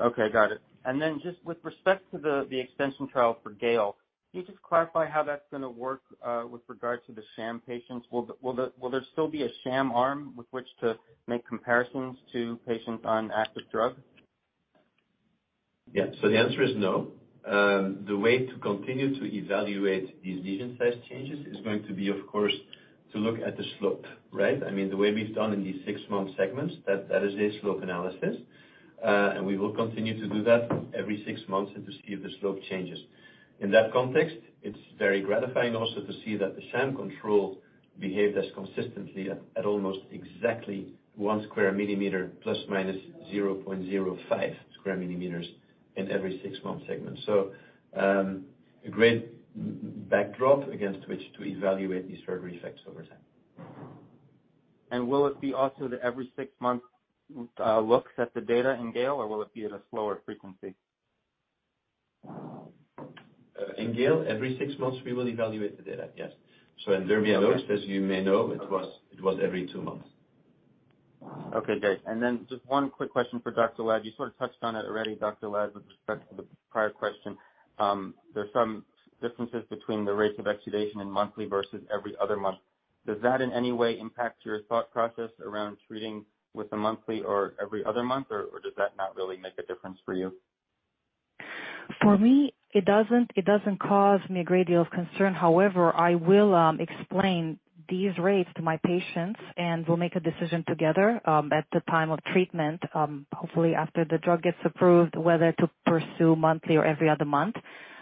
Okay. Got it. Then just with respect to the extension trial for GALE, can you just clarify how that's gonna work with regards to the sham patients? Will there still be a sham arm with which to make comparisons to patients on active drug? Yeah. The answer is no. The way to continue to evaluate these vision size changes is going to be, of course, to look at the slope, right? I mean, the way we've done in these six-month segments, that is a slope analysis. We will continue to do that every six months and to see if the slope changes. In that context, it's very gratifying also to see that the sham control behaved as consistently at almost exactly 1 square millimeter ± 0.05 square millimeters in every six-month segment. A great backdrop against which to evaluate these drug effects over time. Will it be also the every six month looks at the data in GALE, or will it be at a slower frequency? In GALE, every six months we will evaluate the data, yes. In DERBY and OAKS, as you may know, it was every two months. Okay, great. Just one quick question for Dr. Lad. You sort of touched on it already, Dr. Lad, with respect to the prior question. There's some differences between the rates of exudation in monthly versus every other month. Does that in any way impact your thought process around treating with the monthly or every other month or does that not really make a difference for you? For me, it doesn't cause me a great deal of concern. However, I will explain these rates to my patients and we'll make a decision together, at the time of treatment, hopefully after the drug gets approved, whether to pursue monthly or every other month.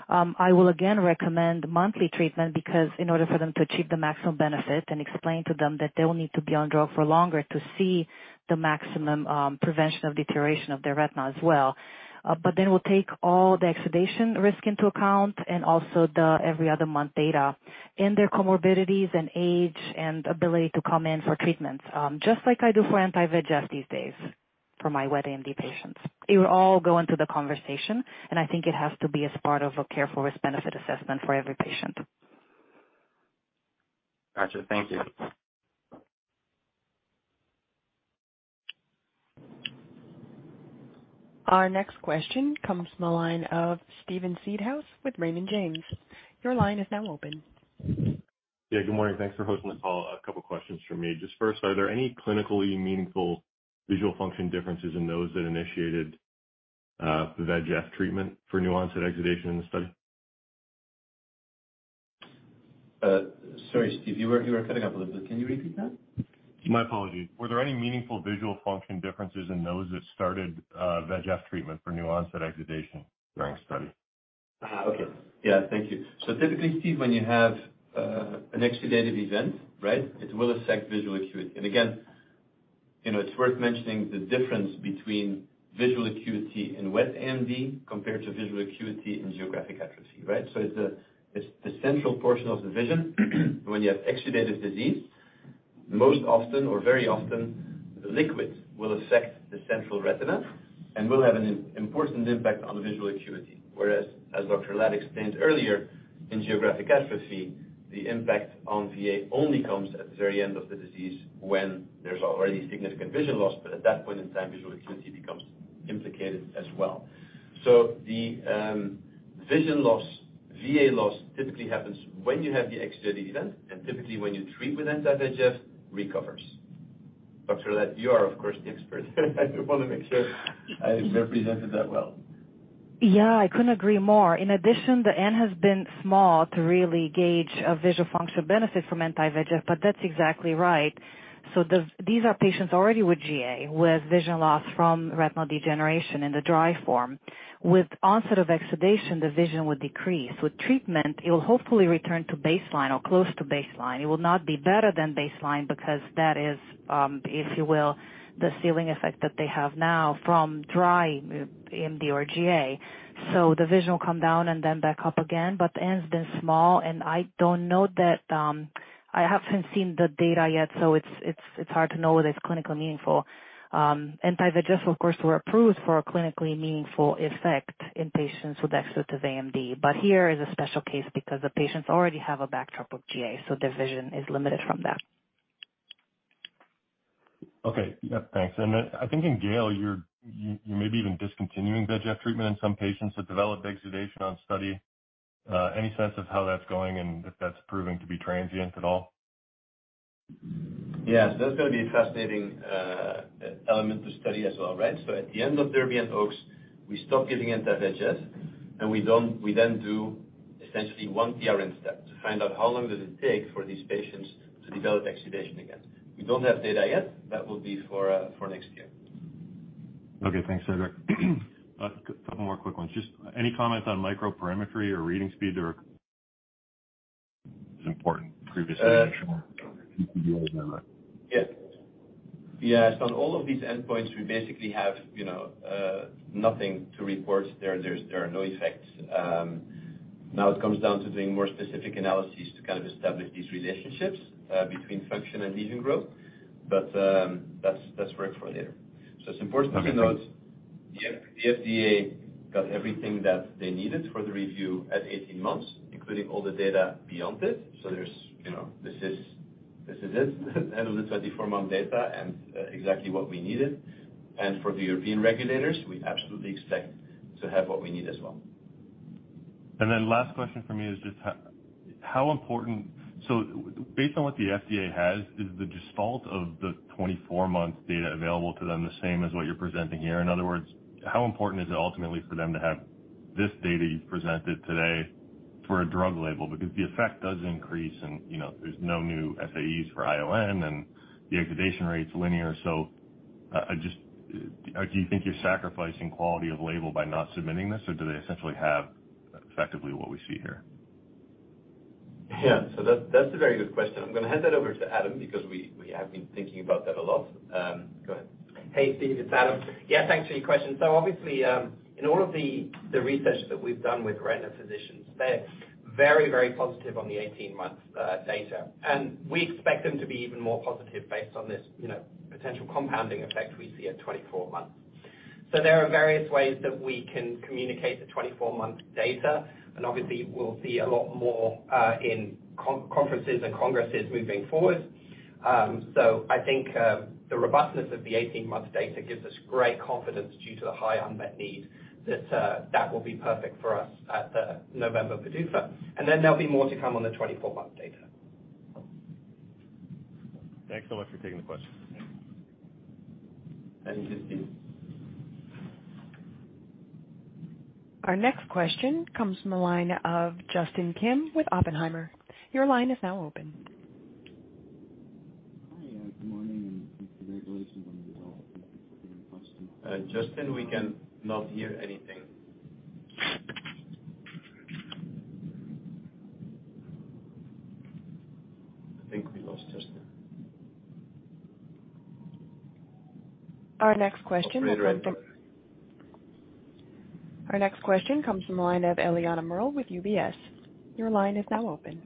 I will again recommend monthly treatment because in order for them to achieve the maximum benefit and explain to them that they will need to be on drug for longer to see the maximum prevention of deterioration of their retina as well. We'll take all the exudation risk into account and also the every other month data and their comorbidities and age and ability to come in for treatments, just like I do for anti-VEGF these days for my wet AMD patients. It will all go into the conversation, and I think it has to be as part of a careful risk-benefit assessment for every patient. Gotcha. Thank you. Our next question comes from the line of Steven Seedhouse with Raymond James. Your line is now open. Yeah, good morning. Thanks for hosting the call. A couple questions from me. Just first, are there any clinically meaningful visual function differences in those that initiated the VEGF treatment for new onset exudation in the study? Sorry, Steve, you were cutting out a little bit. Can you repeat that? My apologies. Were there any meaningful visual function differences in those that started anti-VEGF treatment for new onset exudation during study? Okay. Yeah, thank you. Typically, Steve, when you have an exudative event, right? It will affect visual acuity. Again, you know, it's worth mentioning the difference between visual acuity in wet AMD compared to visual acuity in geographic atrophy, right? It's the central portion of the vision when you have exudative disease. Most often or very often liquid will affect the central retina and will have an important impact on the visual acuity. Whereas, as Dr. Lad explained earlier, in geographic atrophy, the impact on VA only comes at the very end of the disease when there's already significant vision loss. At that point in time, visual acuity becomes implicated as well. The vision loss, VA loss typically happens when you have the exudative event and typically when you treat with anti-VEGF recovers. Dr. Lad, you are of course the expert. I just want to make sure I represented that well. Yeah. I couldn't agree more. In addition, the N has been small to really gauge a visual function benefit from anti-VEGF, but that's exactly right. These are patients already with GA, with vision loss from retinal degeneration in the dry form. With onset of exudation, the vision would decrease. With treatment, it will hopefully return to baseline or close to baseline. It will not be better than baseline because that is, if you will, the ceiling effect that they have now from dry AMD or GA. The vision will come down and then back up again. The N's been small, and I don't know that. I haven't seen the data yet, so it's hard to know whether it's clinically meaningful. Anti-VEGF of course were approved for a clinically meaningful effect in patients with exudative AMD. Here is a special case because the patients already have a backdrop of GA, so their vision is limited from that. Okay. Yeah, thanks. I think in GALE, you may be even discontinuing VEGF treatment in some patients that developed exudation on study. Any sense of how that's going and if that's proving to be transient at all? Yeah. That's gonna be a fascinating element to study as well, right? At the end of DERBY and OAKS, we stop giving anti-VEGF, and we then do essentially one PRN step to find out how long does it take for these patients to develop exudation again. We don't have data yet. That will be for next year. Okay, thanks, Cedric. A couple more quick ones. Just any comments on microperimetry or reading speed or important previously LLVA or whatever? Yes. Yeah. On all of these endpoints, we basically have, you know, nothing to report there. There are no effects. Now it comes down to doing more specific analyses to kind of establish these relationships between function and lesion growth. That's work for later. It's important to note. Okay, thanks. The FDA got everything that they needed for the review at 18 months, including all the data beyond it. So there's, you know, this is it, the end of the 24-month data and exactly what we needed. For the European regulators, we absolutely expect to have what we need as well. Last question for me is just how important? Based on what the FDA has, is the default of the 24 month data available to them the same as what you're presenting here? In other words, how important is it ultimately for them to have this data you've presented today for a drug label? Because the effect does increase and, you know, there's no new SAEs for ION and the exudation rate's linear. I just, do you think you're sacrificing quality of label by not submitting this, or do they essentially have effectively what we see here? Yeah. That's a very good question. I'm gonna hand that over to Adam, because we have been thinking about that a lot. Go ahead. Hey, Steve, it's Adam. Yeah, thanks for your question. Obviously, in all of the research that we've done with retina physicians, they're very positive on the 18-month data. We expect them to be even more positive based on this, you know, potential compounding effect we see at 24 months. There are various ways that we can communicate the 24-month data, and obviously we'll see a lot more in conferences and congresses moving forward. I think the robustness of the 18-month data gives us great confidence due to the high unmet need that will be perfect for us at the November AAO. There'll be more to come on the 24-month data. Thanks so much for taking the question. Thank you. Thank you. Our next question comes from the line of Justin Kim with Oppenheimer. Your line is now open. Hi, good morning, and thanks for very recent question. Justin, we can not hear anything. I think we lost Justin. Our next question comes from. Wait, wait. Our next question comes from the line of Eliana Merle with UBS. Your line is now open.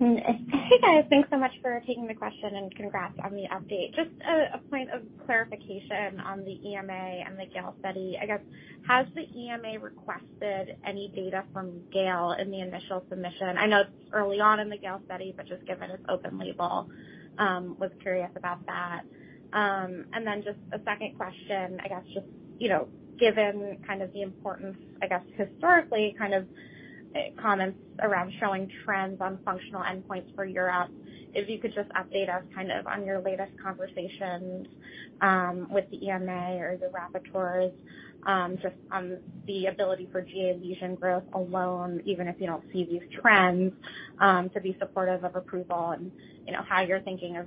Hey, guys. Thanks so much for taking the question, and congrats on the update. Just a point of clarification on the EMA and the GALE study. I guess, has the EMA requested any data from GALE in the initial submission? I know it's early on in the GALE study, but just given it's open label, was curious about that. Just a second question, I guess, you know, given kind of the importance, I guess, historically kind of comments around showing trends on functional endpoints for Europe, if you could just update us kind of on your latest conversations with the EMA or the rapporteurs, just on the ability for GA lesion growth alone, even if you don't see these trends, to be supportive of approval and, you know, how you're thinking of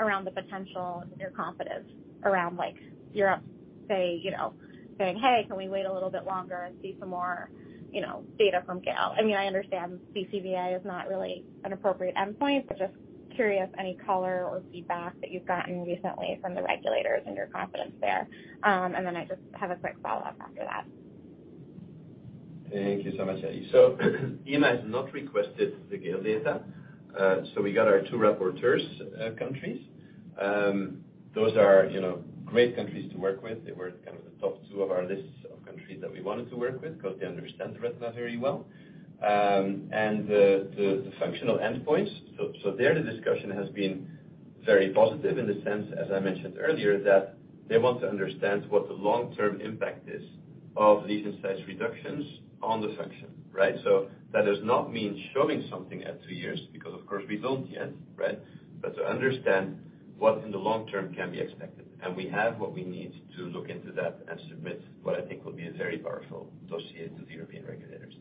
around the potential and your confidence around, like, Europe say, you know, saying, "Hey, can we wait a little bit longer and see some more, you know, data from GALE?" I mean, I understand BCVA is not really an appropriate endpoint, but just curious any color or feedback that you've gotten recently from the regulators and your confidence there. I just have a quick follow-up after that. Thank you so much, Eliana. EMA has not requested the GALE data. We got our two rapporteurs, countries. Those are, you know, great countries to work with. They were kind of the top two of our list of countries that we wanted to work with 'cause they understand the retina very well and the functional endpoints. The discussion has been very positive in the sense, as I mentioned earlier, that they want to understand what the long-term impact is of lesion size reductions on the function, right? That does not mean showing something at two years because, of course, we don't yet, right? But to understand what in the long term can be expected. We have what we need to look into that and submit what I think will be a very powerful dossier to the European regulators.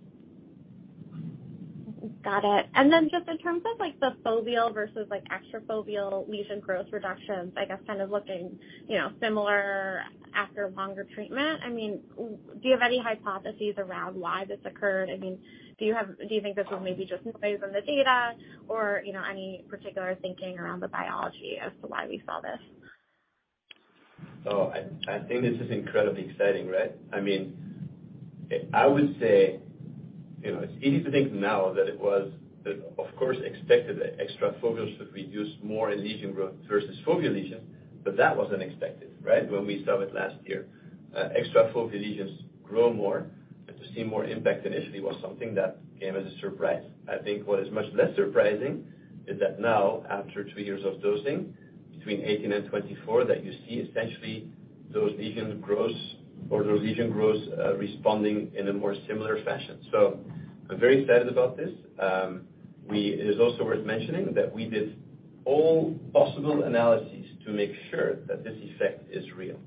Got it. Then just in terms of, like, the foveal versus, like, extra foveal lesion growth reductions, I guess kind of looking, you know, similar after longer treatment. I mean, do you have any hypotheses around why this occurred? I mean, do you think this was maybe just noise on the data or, you know, any particular thinking around the biology as to why we saw this? I think this is incredibly exciting, right? I mean, I would say, you know, it's easy to think now that it was, of course, expected extrafoveal should reduce more in lesion growth versus foveal lesion, but that was unexpected, right? When we saw it last year, extrafoveal lesions grow more. To see more impact initially was something that came as a surprise. I think what is much less surprising is that now after two years of dosing between 18 and 24 that you see essentially those lesions grow responding in a more similar fashion. I'm very excited about this. It is also worth mentioning that we did all possible analyses to make sure that this effect is real,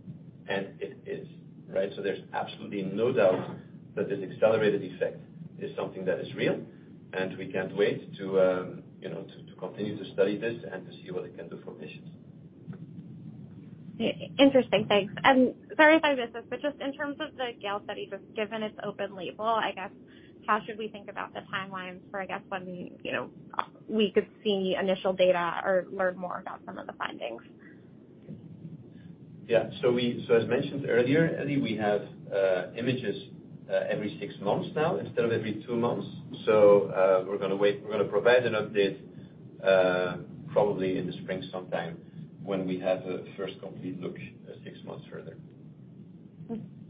and it is, right? There's absolutely no doubt that this accelerated effect is something that is real, and we can't wait to you know, to continue to study this and to see what it can do for patients. Yeah. Interesting. Thanks. Sorry if I missed this, but just in terms of the GALE study, just given its open label, I guess, how should we think about the timelines for, I guess, when, you know, we could see initial data or learn more about some of the findings? Yeah. As mentioned earlier, Ellie, we have images every six months now instead of every two months. We're gonna wait. We're gonna provide an update probably in the spring sometime when we have a first complete look at six months further.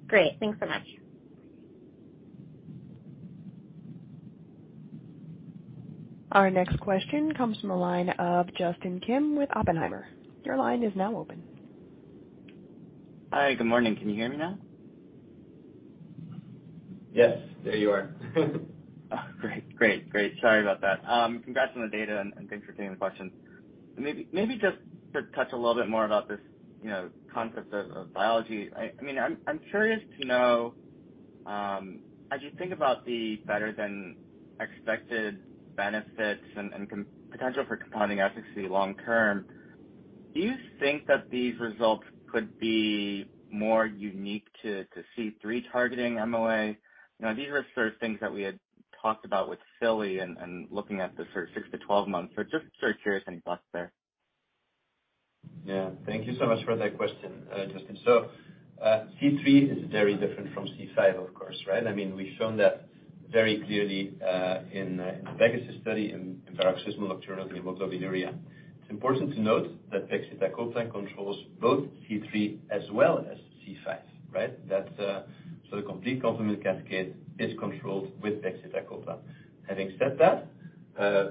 Great. Thanks so much. Our next question comes from a line of Justin Kim with Oppenheimer. Your line is now open. Hi. Good morning. Can you hear me now? Yes. There you are. Oh, great. Great. Great. Sorry about that. Congrats on the data, and thanks for taking the question. Maybe just to touch a little bit more about this, you know, concept of biology. I mean, I'm curious to know, as you think about the better than expected benefits and potential for compounding efficacy long term, do you think that these results could be more unique to C3 targeting MOA? You know, these are sort of things that we had talked about with Felipe and looking at the sort of six to 12 months. Just very curious any thoughts there. Yeah. Thank you so much for that question, Justin. C3 is very different from C5, of course, right? I mean, we've shown that very clearly in the PEGASUS study in paroxysmal nocturnal hemoglobinuria. It's important to note that pegcetacoplan controls both C3 as well as C5, right? The complete complement cascade is controlled with pegcetacoplan. Having said that,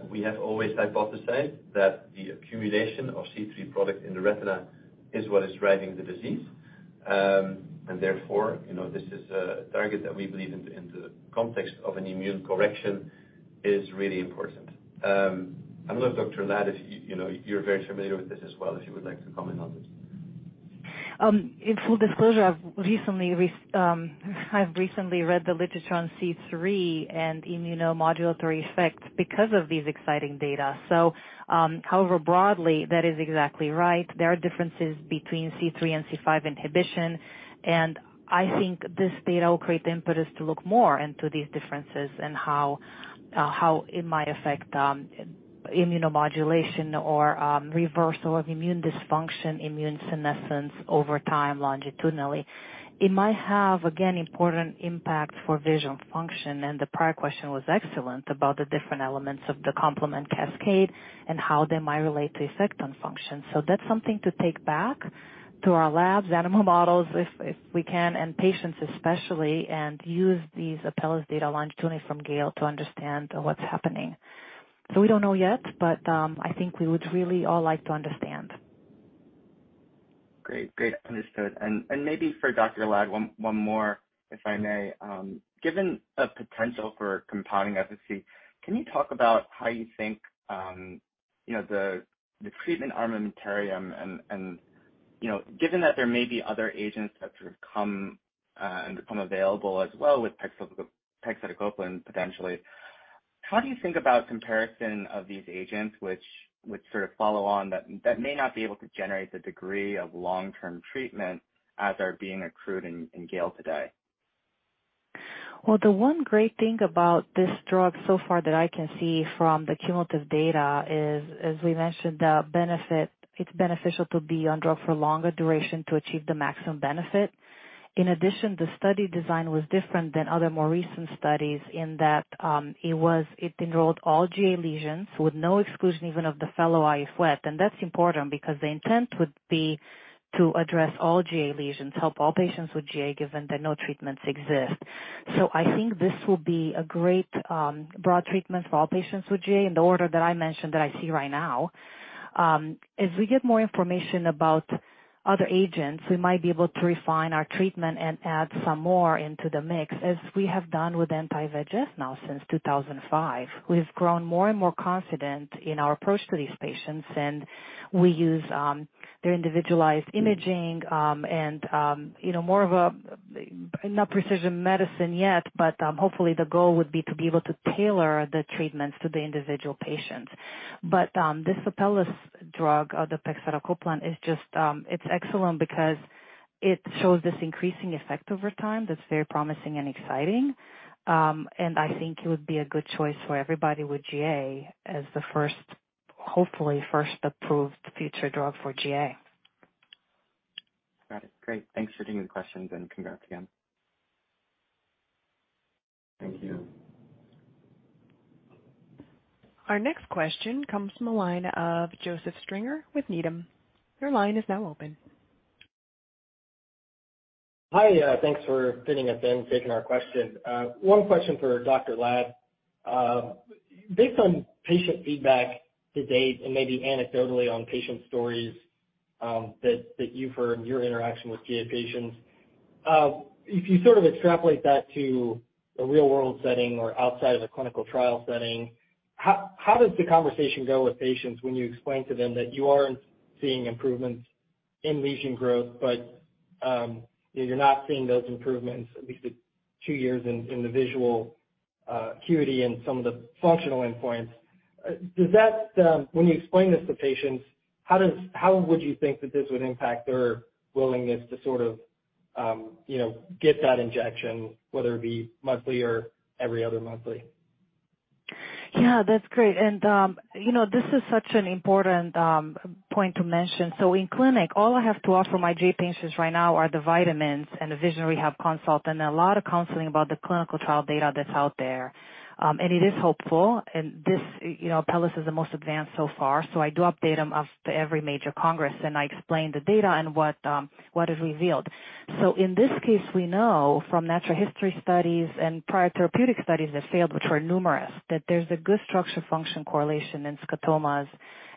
we have always hypothesized that the accumulation of C3 product in the retina is what is driving the disease. Therefore, you know, this is a target that we believe in the context of an immune correction is really important. I don't know, Dr. Lad, if you know, you're very familiar with this as well, if you would like to comment on this. In full disclosure, I've recently read the literature on C3 and immunomodulatory effects because of these exciting data. However, broadly, that is exactly right. There are differences between C3 and C5 inhibition, and I think this data will create the impetus to look more into these differences and how it might affect immunomodulation or reversal of immune dysfunction, immune senescence over time longitudinally. It might have, again, important impact for visual function, and the prior question was excellent about the different elements of the complement cascade and how they might relate to effect on function. That's something to take back to our labs, animal models if we can, and patients especially, and use these Apellis data longitudinally from GALE to understand what's happening. We don't know yet, but I think we would really all like to understand. Great. Great. Understood. Maybe for Dr. Lad, one more, if I may. Given a potential for compounding efficacy, can you talk about how you think, you know, the treatment armamentarium and, you know, given that there may be other agents that sort of come and become available as well with pegcetacoplan, potentially, how do you think about comparison of these agents which would sort of follow on that that may not be able to generate the degree of long-term treatment as are being accrued in GALE today? Well, the one great thing about this drug so far that I can see from the cumulative data is, as we mentioned, the benefit. It's beneficial to be on drug for longer duration to achieve the maximum benefit. In addition, the study design was different than other more recent studies in that, it enrolled all GA lesions with no exclusion even of the fellow eye if wet, and that's important because the intent would be to address all GA lesions, help all patients with GA given that no treatments exist. I think this will be a great, broad treatment for all patients with GA in the order that I mentioned that I see right now. As we get more information about other agents, we might be able to refine our treatment and add some more into the mix as we have done with anti-VEGF now since 2005. We've grown more and more confident in our approach to these patients, and we use their individualized imaging, and you know, more of a not precision medicine yet, but hopefully the goal would be to be able to tailor the treatments to the individual patients. This Apellis drug, the pegcetacoplan, is just, it's excellent because it shows this increasing effect over time that's very promising and exciting. I think it would be a good choice for everybody with GA as the first, hopefully first approved future drug for GA. Got it. Great. Thanks for taking the questions, and congrats again. Thank you. Our next question comes from a line of Joseph Stringer with Needham. Your line is now open. Hi, thanks for fitting us in, taking our question. One question for Dr. Lad. Based on patient feedback to date and maybe anecdotally on patient stories, that you've heard in your interaction with GA patients, if you sort of extrapolate that to a real-world setting or outside of the clinical trial setting, how does the conversation go with patients when you explain to them that you aren't seeing improvements in lesion growth, but you're not seeing those improvements at least at two years in the visual acuity and some of the functional endpoints? Does that, when you explain this to patients, how would you think that this would impact their willingness to sort of get that injection, whether it be monthly or every other monthly? Yeah, that's great. You know, this is such an important point to mention. In clinic, all I have to offer my GA patients right now are the vitamins and the vision rehab consult and a lot of counseling about the clinical trial data that's out there. It is hopeful. This, you know, SYFOVRE is the most advanced so far. I do update them after every major congress, and I explain the data and what is revealed. In this case, we know from natural history studies and prior therapeutic studies that failed, which were numerous, that there's a good structure function correlation in scotomas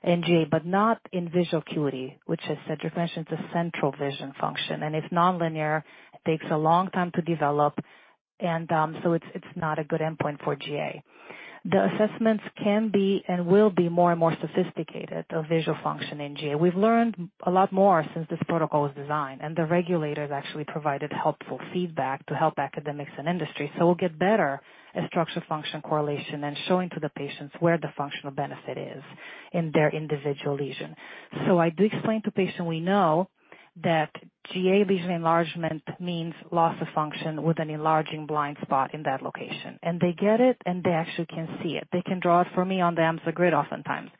and GA, but not in visual acuity, which, as Cedric mentioned, is a central vision function, and it's nonlinear, it takes a long time to develop, and so it's not a good endpoint for GA. The assessments can be and will be more and more sophisticated of visual function in GA. We've learned a lot more since this protocol was designed, and the regulators actually provided helpful feedback to help academics and industry. We'll get better at structure function correlation and showing to the patients where the functional benefit is in their individual lesion. I do explain to patients we know that GA vision enlargement means loss of function with an enlarging blind spot in that location. They get it, and they actually can see it. They can draw it for me on the Amsler grid oftentimes.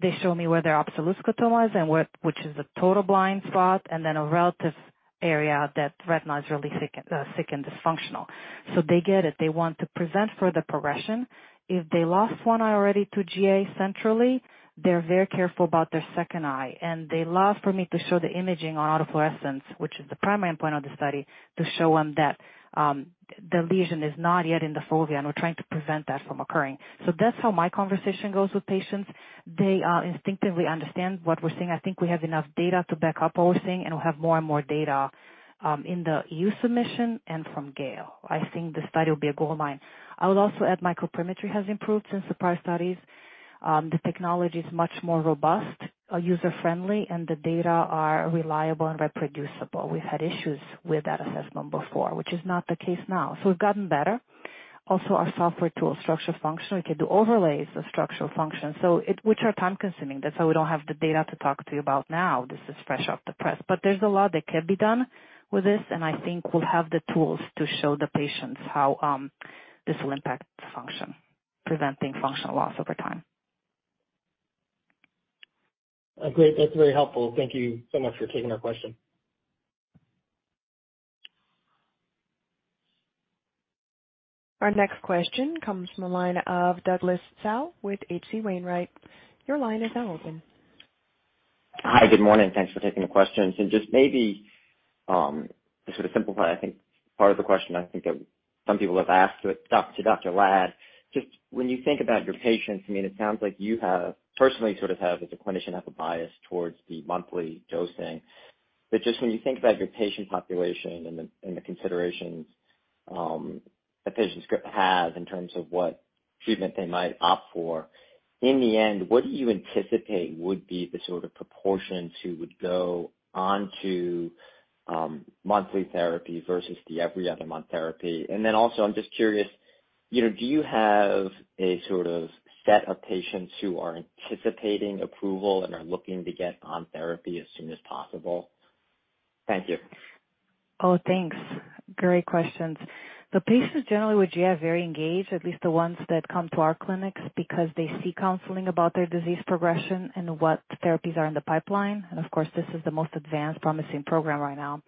They show me where their absolute scotoma is and where, which is the total blind spot and then a relative area that retina is really thick and dysfunctional. They get it. They want to prevent further progression. If they lost one eye already to GA centrally, they're very careful about their second eye. They love for me to show the imaging on autofluorescence, which is the primary endpoint of the study, to show them that the lesion is not yet in the fovea, and we're trying to prevent that from occurring. That's how my conversation goes with patients. They instinctively understand what we're seeing. I think we have enough data to back up what we're seeing, and we'll have more and more data in the US submission and from GALE. I think the study will be a goal line. I would also add microperimetry has improved since the prior studies. The technology is much more robust, user-friendly, and the data are reliable and reproducible. We've had issues with that assessment before, which is not the case now. We've gotten better. Also, our software tool structure function, we can do overlays of structural function, which are time-consuming. That's why we don't have the data to talk to you about now. This is fresh off the press. There's a lot that can be done with this, and I think we'll have the tools to show the patients how this will impact function, preventing functional loss over time. Great. That's very helpful. Thank you so much for taking our question. Our next question comes from the line of Douglas Tsao with H.C. Wainwright. Your line is now open. Hi. Good morning. Thanks for taking the questions. Just maybe, to sort of simplify, I think part of the question, I think that some people have asked to Dr. Lad. Just when you think about your patients, I mean, it sounds like you have personally sort of, as a clinician, have a bias towards the monthly dosing. But just when you think about your patient population and the and the considerations, that patients could have in terms of what treatment they might opt for, in the end, what do you anticipate would be the sort of proportions who would go on to monthly therapy versus the every other month therapy? Then also, I'm just curious, you know, do you have a sort of set of patients who are anticipating approval and are looking to get on therapy as soon as possible? Thank you. Oh, thanks. Great questions. The patients generally with GA are very engaged, at least the ones that come to our clinics, because they see counseling about their disease progression and what therapies are in the pipeline. Of course, this is the most advanced promising program right now.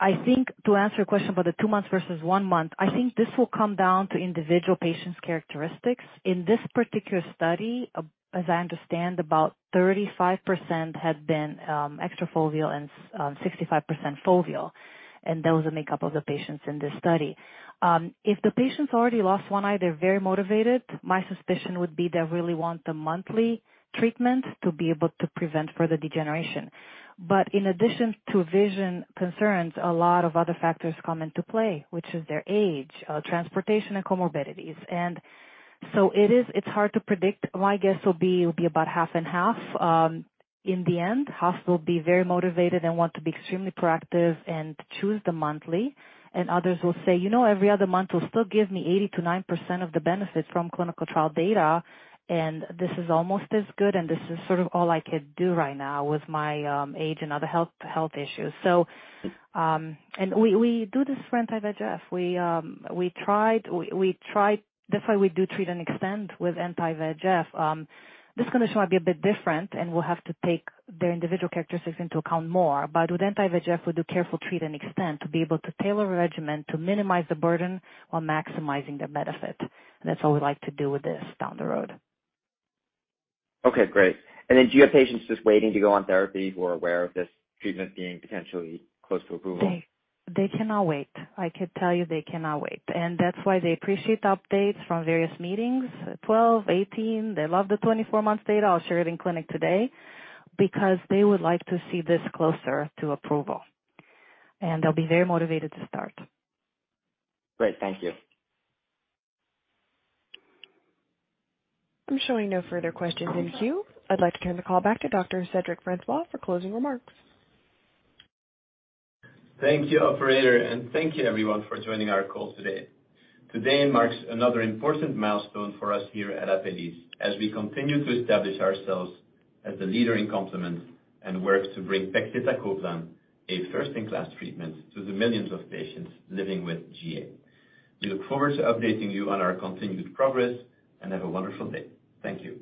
I think to answer a question about the two months versus one month, I think this will come down to individual patients' characteristics. In this particular study, as I understand, about 35% have been extrafoveal and 65% foveal, and that was the makeup of the patients in this study. If the patient's already lost one eye, they're very motivated. My suspicion would be they really want the monthly treatment to be able to prevent further degeneration. In addition to vision concerns, a lot of other factors come into play, which is their age, transportation, and comorbidities. It's hard to predict. My guess will be it'll be about half and half. In the end, half will be very motivated and want to be extremely proactive and choose the monthly. Others will say, "You know, every other month will still give me 80%-90% of the benefits from clinical trial data, and this is almost as good, and this is sort of all I could do right now with my age and other health issues." We do this for anti-VEGF. We tried. That's why we do treat and extend with anti-VEGF. This condition might be a bit different, and we'll have to take their individual characteristics into account more. With anti-VEGF, we do careful treat and extend to be able to tailor a regimen to minimize the burden while maximizing the benefit. That's what we like to do with this down the road. Okay, great. Do you have patients just waiting to go on therapy who are aware of this treatment being potentially close to approval? They cannot wait. I can tell you they cannot wait. That's why they appreciate the updates from various meetings, 12, 18. They love the 24 months data I'll share it in clinic today because they would like to see this closer to approval, and they'll be very motivated to start. Great. Thank you. I'm showing no further questions in queue. I'd like to turn the call back to Dr. Cedric Francois for closing remarks. Thank you, operator, and thank you everyone for joining our call today. Today marks another important milestone for us here at Apellis as we continue to establish ourselves as a leader in complement and work to bring pegcetacoplan, a first-in-class treatment, to the millions of patients living with GA. We look forward to updating you on our continued progress, and have a wonderful day. Thank you.